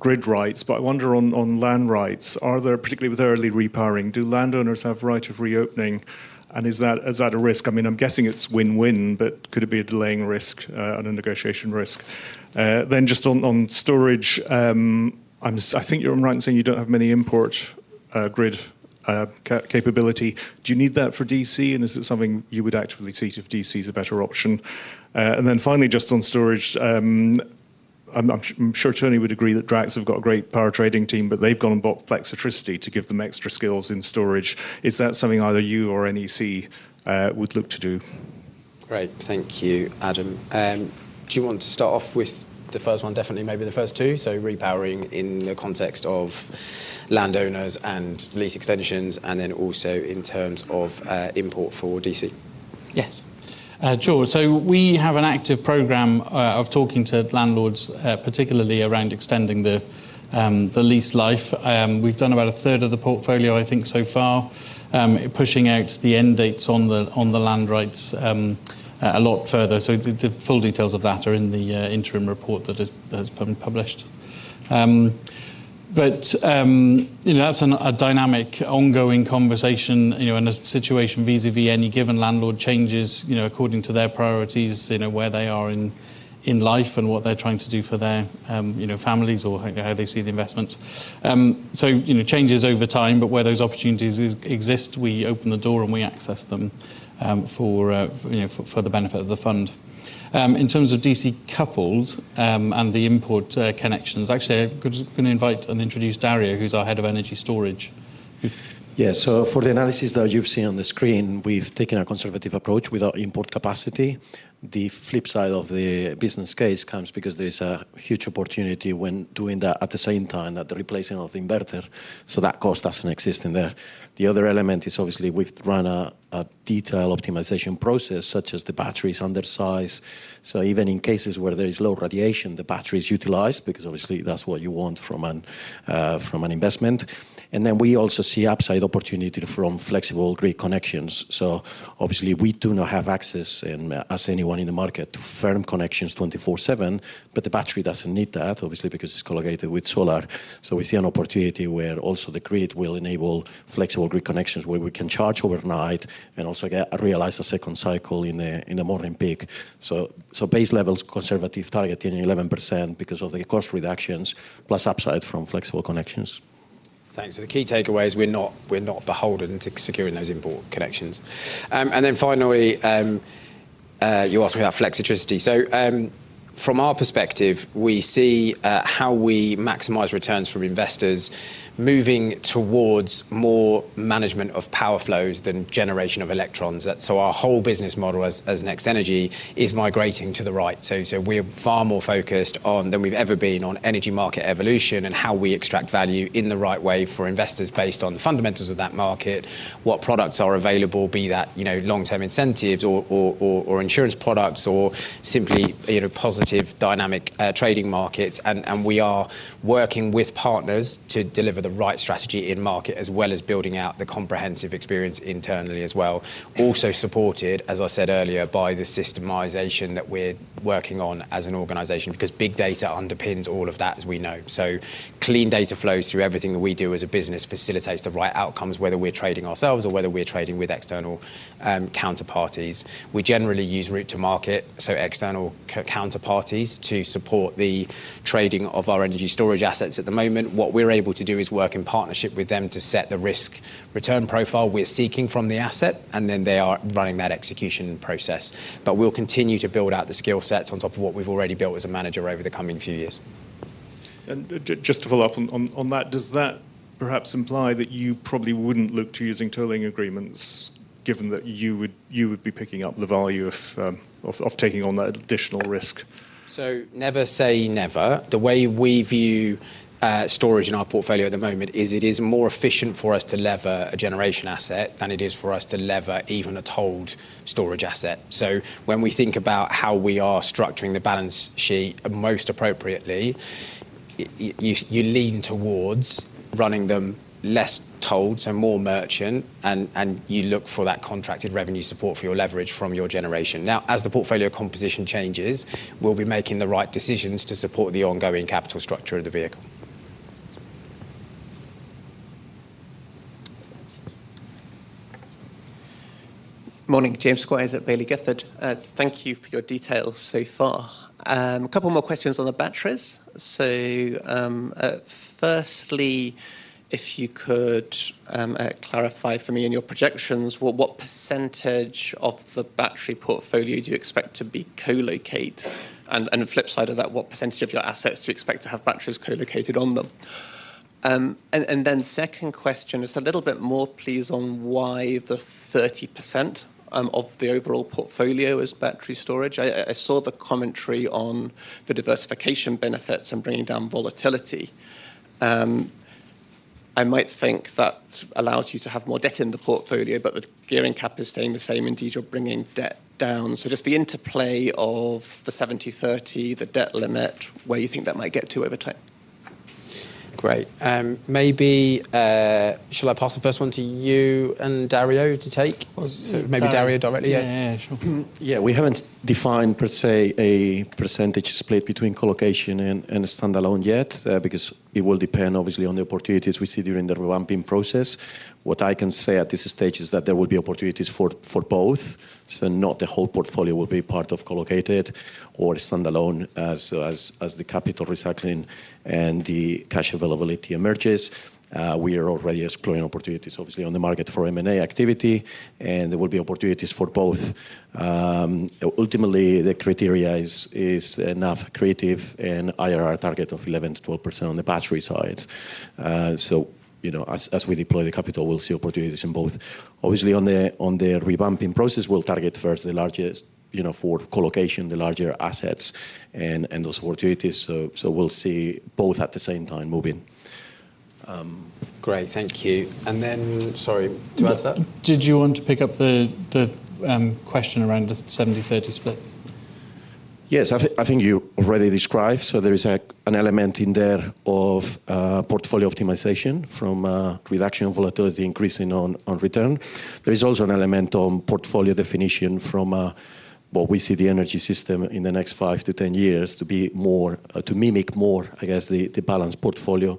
grid rights, but I wonder on land rights, are there, particularly with early repowering, do landowners have right of reopening, and is that a risk? I mean, I'm guessing it's win-win, but could it be a delaying risk and a negotiation risk? Then just on storage, I think you're right in saying you don't have many import grid capability. Do you need that for DC, and is it something you would actively seek if DC is a better option? Finally, just on storage, I'm sure Tony would agree that Drax have got a great power trading team, but they've gone and bought Flexitricity to give them extra skills in storage. Is that something either you or NEC would look to do? Great. Thank you, Adam. Do you want to start off with the first one, definitely maybe the first two? Repowering in the context of landowners and lease extensions, and then also in terms of important for DC. Yes. Sure. We have an active program of talking to landlords, particularly around extending the lease life. We've done about a third of the portfolio, I think, so far, pushing out the end dates on the land rights a lot further. The full details of that are in the interim report that has been published. You know, that's a dynamic ongoing conversation, you know, and a situation vis-à-vis any given landlord changes, you know, according to their priorities, you know, where they are in life and what they're trying to do for their, you know, families or how they see the investments. You know, changes over time, but where those opportunities exist, we open the door and we access them, for the benefit of the fund. In terms of DC-coupled and the important connections, actually gonna invite and introduce Dario, who's our head of energy storage. Yeah. For the analysis that you've seen on the screen, we've taken a conservative approach with our import capacity. The flip side of the business case comes because there's a huge opportunity when doing that at the same time that the replacing of the inverter, so that cost doesn't exist in there. The other element is obviously we've run a detailed optimization process such that the batteries are undersized. Even in cases where there is low radiation, the battery is utilized because obviously that's what you want from an investment. Then we also see upside opportunity from flexible grid connections. Obviously we do not have access, as anyone in the market, to firm connections 24/7, but the battery doesn't need that obviously because it's correlated with solar. We see an opportunity where also the grid will enable flexible grid connections where we can charge overnight and also realize a second cycle in the morning peak. Base levels conservative targeting 11% because of the cost reductions plus upside from flexible connections. Thanks. The key takeaway is we're not beholden to securing those import connections. Then finally, you asked me about Flexitricity. From our perspective, we see how we maximize returns from investors moving towards more management of power flows than generation of electrons. Our whole business model as NextEnergy is migrating to the right. We're far more focused on than we've ever been on energy market evolution and how we extract value in the right way for investors based on the fundamentals of that market, what products are available, be that, you know, long-term incentives or insurance products or simply, you know, positive dynamic trading markets. We are working with partners to deliver the right strategy in market as well as building out the comprehensive experience internally as well. Also supported, as I said earlier, by the systemization that we're working on as an organization, because big data underpins all of that as we know. Clean data flows through everything that we do as a business, facilitates the right outcomes, whether we're trading ourselves or whether we're trading with external counterparties. We generally use route to market, so external counterparties to support the trading of our energy storage assets. At the moment, what we're able to do is work in partnership with them to set the risk return profile we're seeking from the asset, and then they are running that execution process. We'll continue to build out the skill sets on top of what we've already built as a manager over the coming few years. Just to follow up on that, does that perhaps imply that you probably wouldn't look to using tolling agreements given that you would be picking up the value of taking on that additional risk? Never say never. The way we view storage in our portfolio at the moment is it is more efficient for us to lever a generation asset than it is for us to lever even a tolled storage asset. When we think about how we are structuring the balance sheet most appropriately, you lean towards running them less tolled, so more merchant, and you look for that contracted revenue support for your leverage from your generation. Now, as the portfolio composition changes, we'll be making the right decisions to support the ongoing capital structure of the vehicle. Morning. James Squires at Baillie Gifford. Thank you for your details so far. A couple more questions on the batteries. Firstly, if you could clarify for me in your projections, what percentage of the battery portfolio do you expect to be co-located? The flip side of that, what percentage of your assets do you expect to have batteries co-located on them? Then second question is a little bit more, please, on why the 30% of the overall portfolio is battery storage. I saw the commentary on the diversification benefits and bringing down volatility. I might think that allows you to have more debt in the portfolio, but with gearing cap is staying the same, indeed you're bringing debt down. Just the interplay of the 70/30, the debt limit, where you think that might get to over time. Great. Maybe, shall I pass the first one to you and Dario to take? Or maybe Dario directly? Yeah. Yeah, yeah, sure. Yeah. We haven't defined per se a percentage split between co-location and standalone yet, because it will depend obviously on the opportunities we see during the revamping process. What I can say at this stage is that there will be opportunities for both, so not the whole portfolio will be part of co-located or standalone as the capital recycling and the cash availability emerges. We are already exploring opportunities obviously on the market for M&A activity, and there will be opportunities for both. Ultimately, the criteria is an attractive IRR target of 11%-12% on the battery side. You know, as we deploy the capital, we'll see opportunities in both. Obviously, on the revamping process, we'll target first the largest, you know, for co-location, the larger assets and those opportunities. We'll see both at the same time moving. Great. Thank you. Sorry. Who asked that? Did you want to pick up the question around the 70/30 split? Yes. I think you already described, so there is an element in there of portfolio optimization from reduction of volatility increasing on return. There is also an element on portfolio definition from what we see the energy system in the next five to 10 years to be more to mimic more, I guess, the balanced portfolio or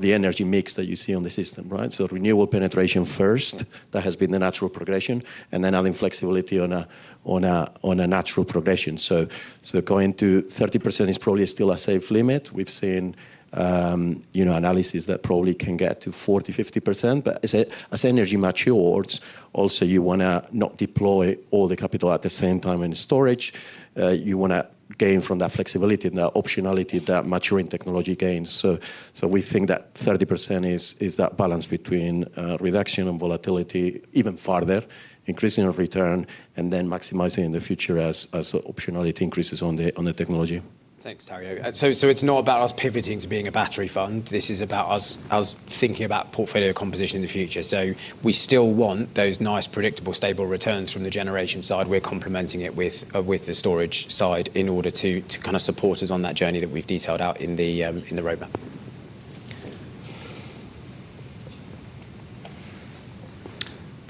the energy mix that you see on the system, right? Renewable penetration first, that has been the natural progression, and then adding flexibility on a natural progression. Going to 30% is probably still a safe limit. We've seen analysis that probably can get to 40%-50%. As energy matures, also you wanna not deploy all the capital at the same time in storage. You want to gain from that flexibility and that optionality that maturing technology gains. We think that 30% is that balance between reduction of volatility even further, increasing of return, and then maximizing in the future as optionality increases on the technology. Thanks, Dario. It's not about us pivoting to being a battery fund. This is about us thinking about portfolio composition in the future. We still want those nice, predictable, stable returns from the generation side. We're complementing it with the storage side in order to kind of support us on that journey that we've detailed out in the roadmap.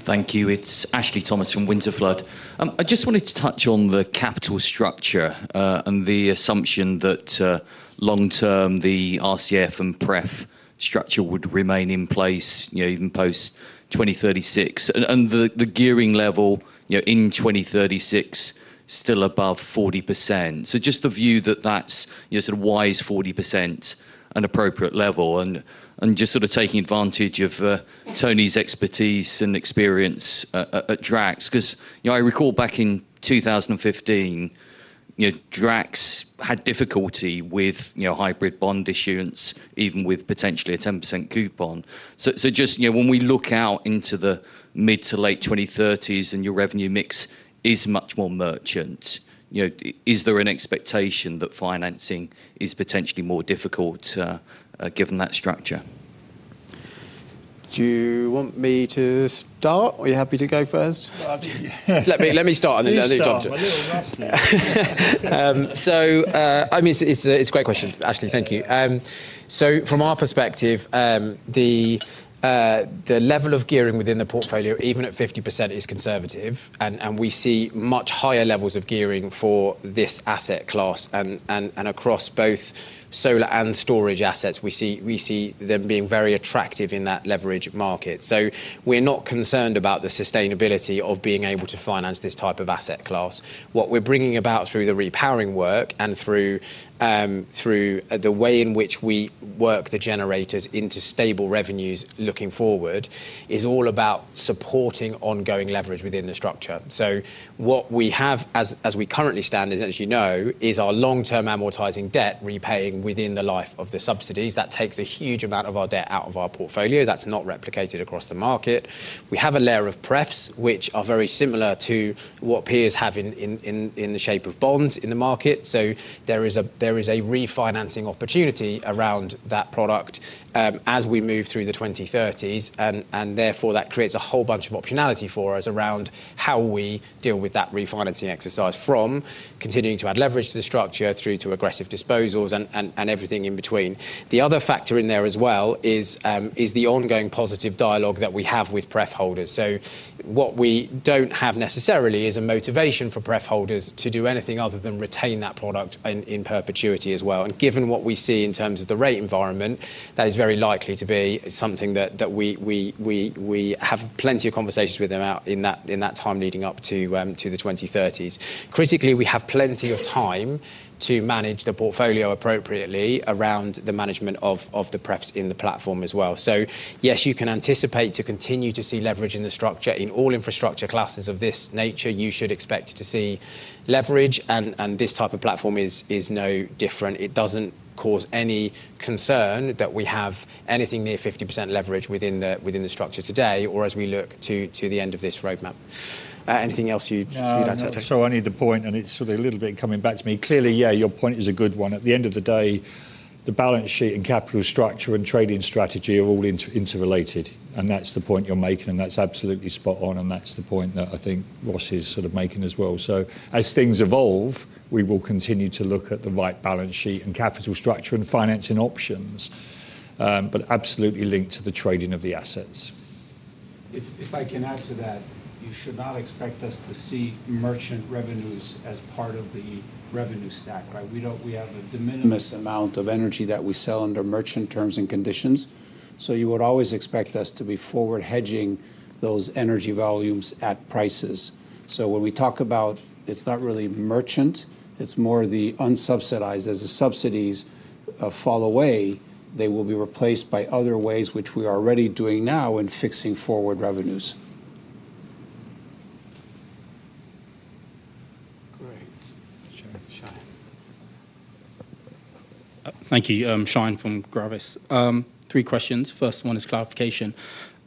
Thank you. It's Ashley Thomas from Winterflood. I just wanted to touch on the capital structure, and the assumption that, long term, the RCF and pref structure would remain in place, you know, even post 2036 and, the gearing level, you know, in 2036 still above 40%. Just the view that that's, you know, sort of why is 40% an appropriate level? And just sort of taking advantage of Tony's expertise and experience at Drax, 'cause, you know, I recall back in 2015, you know, Drax had difficulty with, you know, hybrid bond issuance even with potentially a 10% coupon. you know, when we look out into the mid- to late 2030s and your revenue mix is much more merchant, you know, is there an expectation that financing is potentially more difficult, given that structure? Do you want me to start? Or are you happy to go first? Well, I think. Let me start, and then Tony Quinlan can- You start. I'm a little rusty. I mean, it's a great question, Ashley. Thank you. From our perspective, the level of gearing within the portfolio, even at 50%, is conservative. We see much higher levels of gearing for this asset class and across both solar and storage assets, we see them being very attractive in that leverage market. We're not concerned about the sustainability of being able to finance this type of asset class. What we're bringing about through the repowering work and through the way in which we work the generators into stable revenues looking forward, is all about supporting ongoing leverage within the structure. What we have as we currently stand is, as you know, our long-term amortizing debt repaying within the life of the subsidies. That takes a huge amount of our debt out of our portfolio. That's not replicated across the market. We have a layer of prefs, which are very similar to what peers have in the shape of bonds in the market. There is a refinancing opportunity around that product, as we move through the 2030s and therefore that creates a whole bunch of optionality for us around how we deal with that refinancing exercise from continuing to add leverage to the structure through to aggressive disposals and everything in between. The other factor in there as well is the ongoing positive dialogue that we have with pref holders. What we don't have necessarily is a motivation for pref holders to do anything other than retain that product in perpetuity as well. Given what we see in terms of the rate environment, that is very likely to be something that we have plenty of conversations with them out in that time leading up to the 2030s. Critically, we have plenty of time to manage the portfolio appropriately around the management of the prefs in the platform as well. Yes, you can anticipate to continue to see leverage in the structure. In all infrastructure classes of this nature, you should expect to see leverage and this type of platform is no different. It doesn't cause any concern that we have anything near 50% leverage within the structure today or as we look to the end of this roadmap. Anything else you'd like to? No, only the point, and it's sort of a little bit coming back to me. Clearly, yeah, your point is a good one. At the end of the day, the balance sheet and capital structure and trading strategy are all interrelated, and that's the point you're making, and that's absolutely spot on, and that's the point that I think Ross is sort of making as well. As things evolve, we will continue to look at the right balance sheet and capital structure and financing options, but absolutely linked to the trading of the assets. If I can add to that, you should not expect us to see merchant revenues as part of the revenue stack, right? We don't. We have a de minimis amount of energy that we sell under merchant terms and conditions, so you would always expect us to be forward hedging those energy volumes at prices. So when we talk about it's not really merchant, it's more the unsubsidized. As the subsidies fall away, they will be replaced by other ways which we are already doing now in fixing forward revenues. Great. Shayan. Thank you. I'm Shayan Ratnasingam from Gravis Capital Management. Three questions. First one is clarification.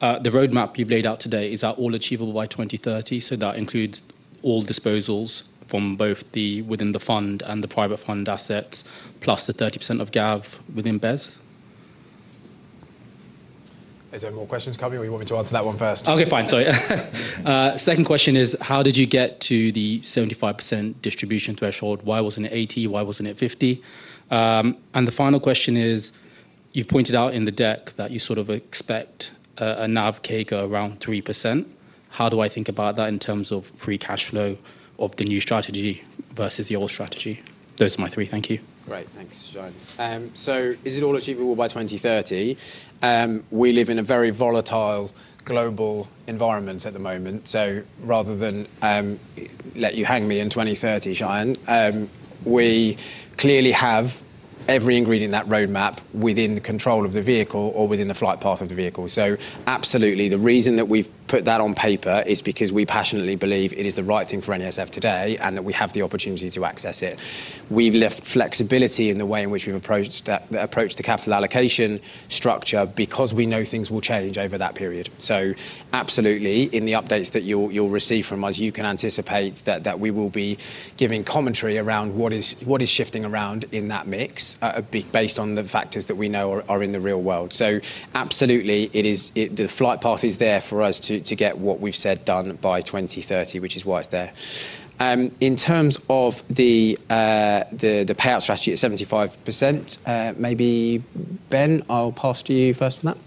The roadmap you've laid out today, is that all achievable by 2030? That includes all disposals from both within the fund and the private fund assets, plus the 30% of GAV within BESS? Is there more questions coming, or you want me to answer that one first? Okay, fine. Sorry. Second question is, how did you get to the 75% distribution threshold? Why wasn't it 80%? Why wasn't it 50%? And the final question is, you've pointed out in the deck that you sort of expect a NAV CAGR around 3%. How do I think about that in terms of free cash flow of the new strategy versus the old strategy? Those are my three. Thank you. Great. Thanks, Shayan Ratnasingam. Is it all achievable by 2030? We live in a very volatile global environment at the moment, so rather than let you hang me in 2030, Shayan Ratnasingam, we clearly have every ingredient in that roadmap within control of the vehicle or within the flight path of the vehicle. Absolutely. The reason that we've put that on paper is because we passionately believe it is the right thing for NESF today and that we have the opportunity to access it. We've left flexibility in the way in which we've approached that, the capital allocation structure because we know things will change over that period. Absolutely, in the updates that you'll receive from us, you can anticipate that we will be giving commentary around what is shifting around in that mix, based on the factors that we know are in the real world. Absolutely, the flight path is there for us to get what we've said done by 2030, which is why it's there. In terms of the payout strategy at 75%, maybe Ben, I'll pass to you first for that.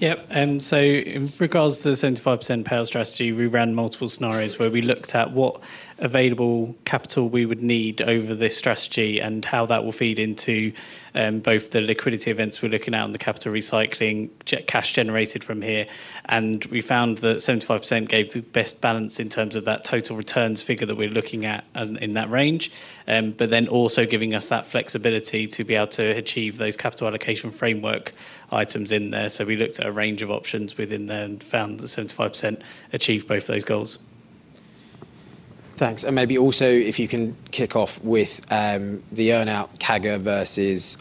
Yep. So in regards to the 75% payout strategy, we ran multiple scenarios where we looked at what available capital we would need over this strategy and how that will feed into both the liquidity events we're looking at and the capital recycling cash generated from here. We found that 75% gave the best balance in terms of that total returns figure that we're looking at as in that range, also giving us that flexibility to be able to achieve those capital allocation framework items in there. We looked at a range of options within there and found that 75% achieved both those goals. Thanks. Maybe also if you can kick off with the NAV CAGR versus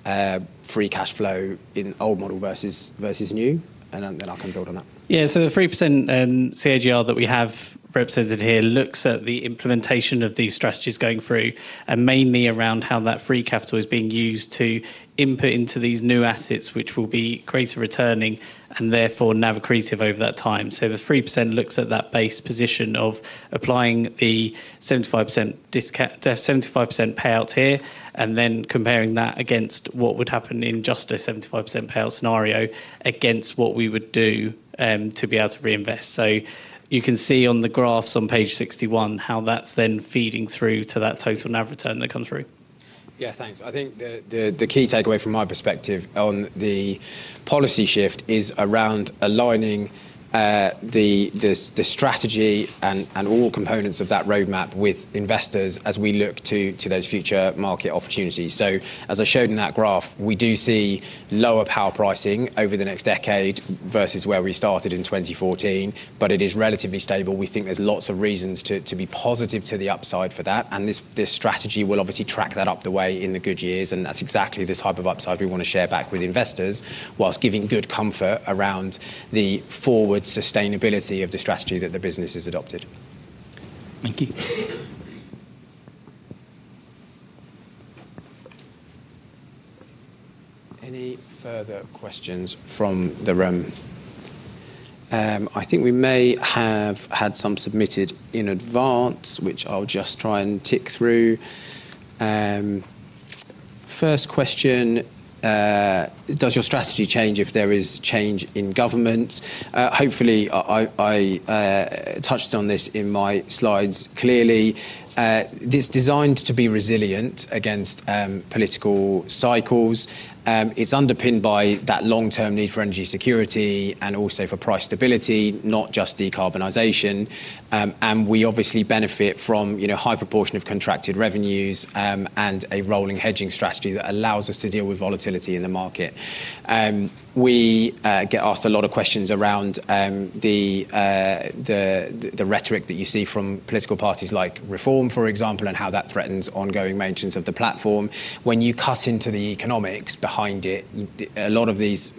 free cash flow in old model versus new and then I can build on that. Yeah. The 3% CAGR that we have represented here looks at the implementation of these strategies going through and mainly around how that free capital is being used to input into these new assets which will be greater returning and therefore NAV accretive over that time. The 3% looks at that base position of applying the 75% payout here and then comparing that against what would happen in just a 75% payout scenario against what we would do to be able to reinvest. You can see on the graphs on page 61 how that's then feeding through to that total NAV return that comes through. Yeah, thanks. I think the key takeaway from my perspective on the policy shift is around aligning the strategy and all components of that roadmap with investors as we look to those future market opportunities. As I showed in that graph, we do see lower power pricing over the next decade versus where we started in 2014, but it is relatively stable. We think there's lots of reasons to be positive to the upside for that, and this strategy will obviously track that up the way in the good years, and that's exactly the type of upside we wanna share back with investors while giving good comfort around the forward sustainability of the strategy that the business has adopted. Thank you. Any further questions from the room? I think we may have had some submitted in advance, which I'll just try and tick through. First question: Does your strategy change if there is change in government? Hopefully I touched on this in my slides clearly. This is designed to be resilient against political cycles. It's underpinned by that long-term need for energy security and also for price stability, not just decarbonization. We obviously benefit from, you know, high proportion of contracted revenues, and a rolling hedging strategy that allows us to deal with volatility in the market. We get asked a lot of questions around the rhetoric that you see from political parties like Reform UK, for example, and how that threatens ongoing maintenance of the platform. When you cut into the economics behind it, a lot of these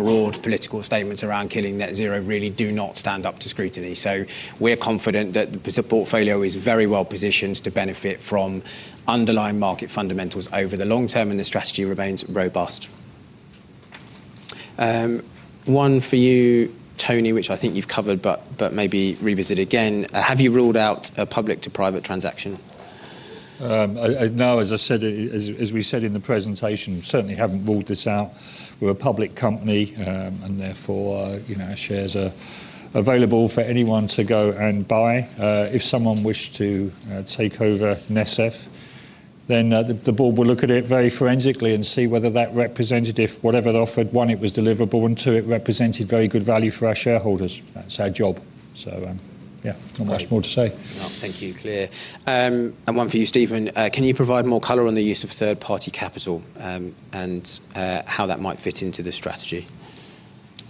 broad political statements around killing Net Zero really do not stand up to scrutiny. We're confident that this portfolio is very well positioned to benefit from underlying market fundamentals over the long term, and the strategy remains robust. One for you, Tony, which I think you've covered but maybe revisit again. Have you ruled out a public to private transaction? No, as we said in the presentation, certainly haven't ruled this out. We're a public company. Therefore, you know, our shares are available for anyone to go and buy. If someone wished to take over NESF, then the board will look at it very forensically and see whether that represented, if whatever they offered, one, it was deliverable, and two, it represented very good value for our shareholders. That's our job. Yeah, not much more to say. No, thank you. Clear. One for you, Stephen. Can you provide more color on the use of third-party capital, and how that might fit into this strategy?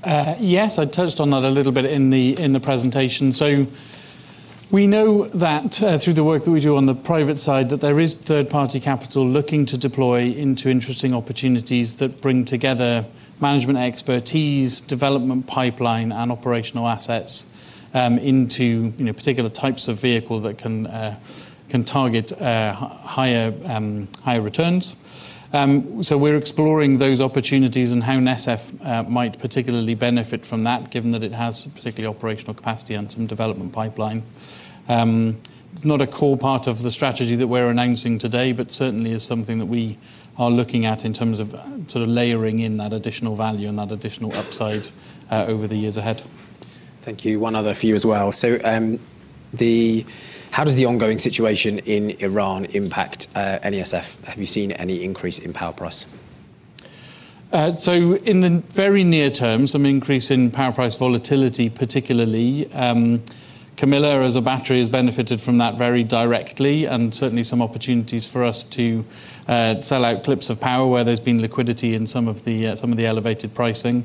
Yes, I touched on that a little bit in the presentation. We know that through the work that we do on the private side, that there is third-party capital looking to deploy into interesting opportunities that bring together management expertise, development pipeline, and operational assets, you know, particular types of vehicle that can target higher returns. We're exploring those opportunities and how NESF might particularly benefit from that given that it has particularly operational capacity and some development pipeline. It's not a core part of the strategy that we're announcing today, but certainly is something that we are looking at in terms of sort of layering in that additional value and that additional upside over the years ahead. Thank you. One other for you as well. How does the ongoing situation in Iran impact NESF? Have you seen any increase in power price? In the very near term, some increase in power price volatility, particularly. Camilla as a battery has benefited from that very directly and certainly some opportunities for us to sell out clips of power where there's been liquidity in some of the elevated pricing.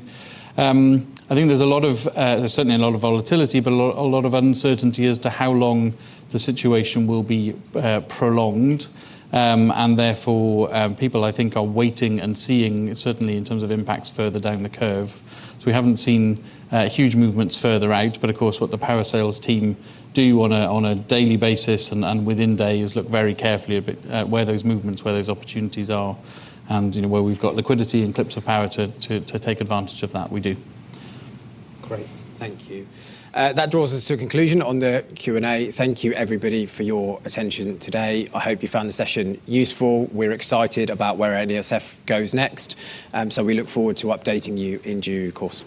I think there's certainly a lot of volatility, but a lot of uncertainty as to how long the situation will be prolonged. Therefore, people I think are waiting and seeing certainly in terms of impacts further down the curve. We haven't seen huge movements further out, but of course, what the power sales team do on a daily basis and within days look very carefully at where those movements, where those opportunities are and, you know, where we've got liquidity and clips of power to take advantage of that. We do. Great. Thank you. That draws us to a conclusion on the Q&A. Thank you, everybody, for your attention today. I hope you found the session useful. We're excited about where NESF goes next, so we look forward to updating you in due course.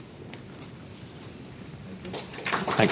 Thank you.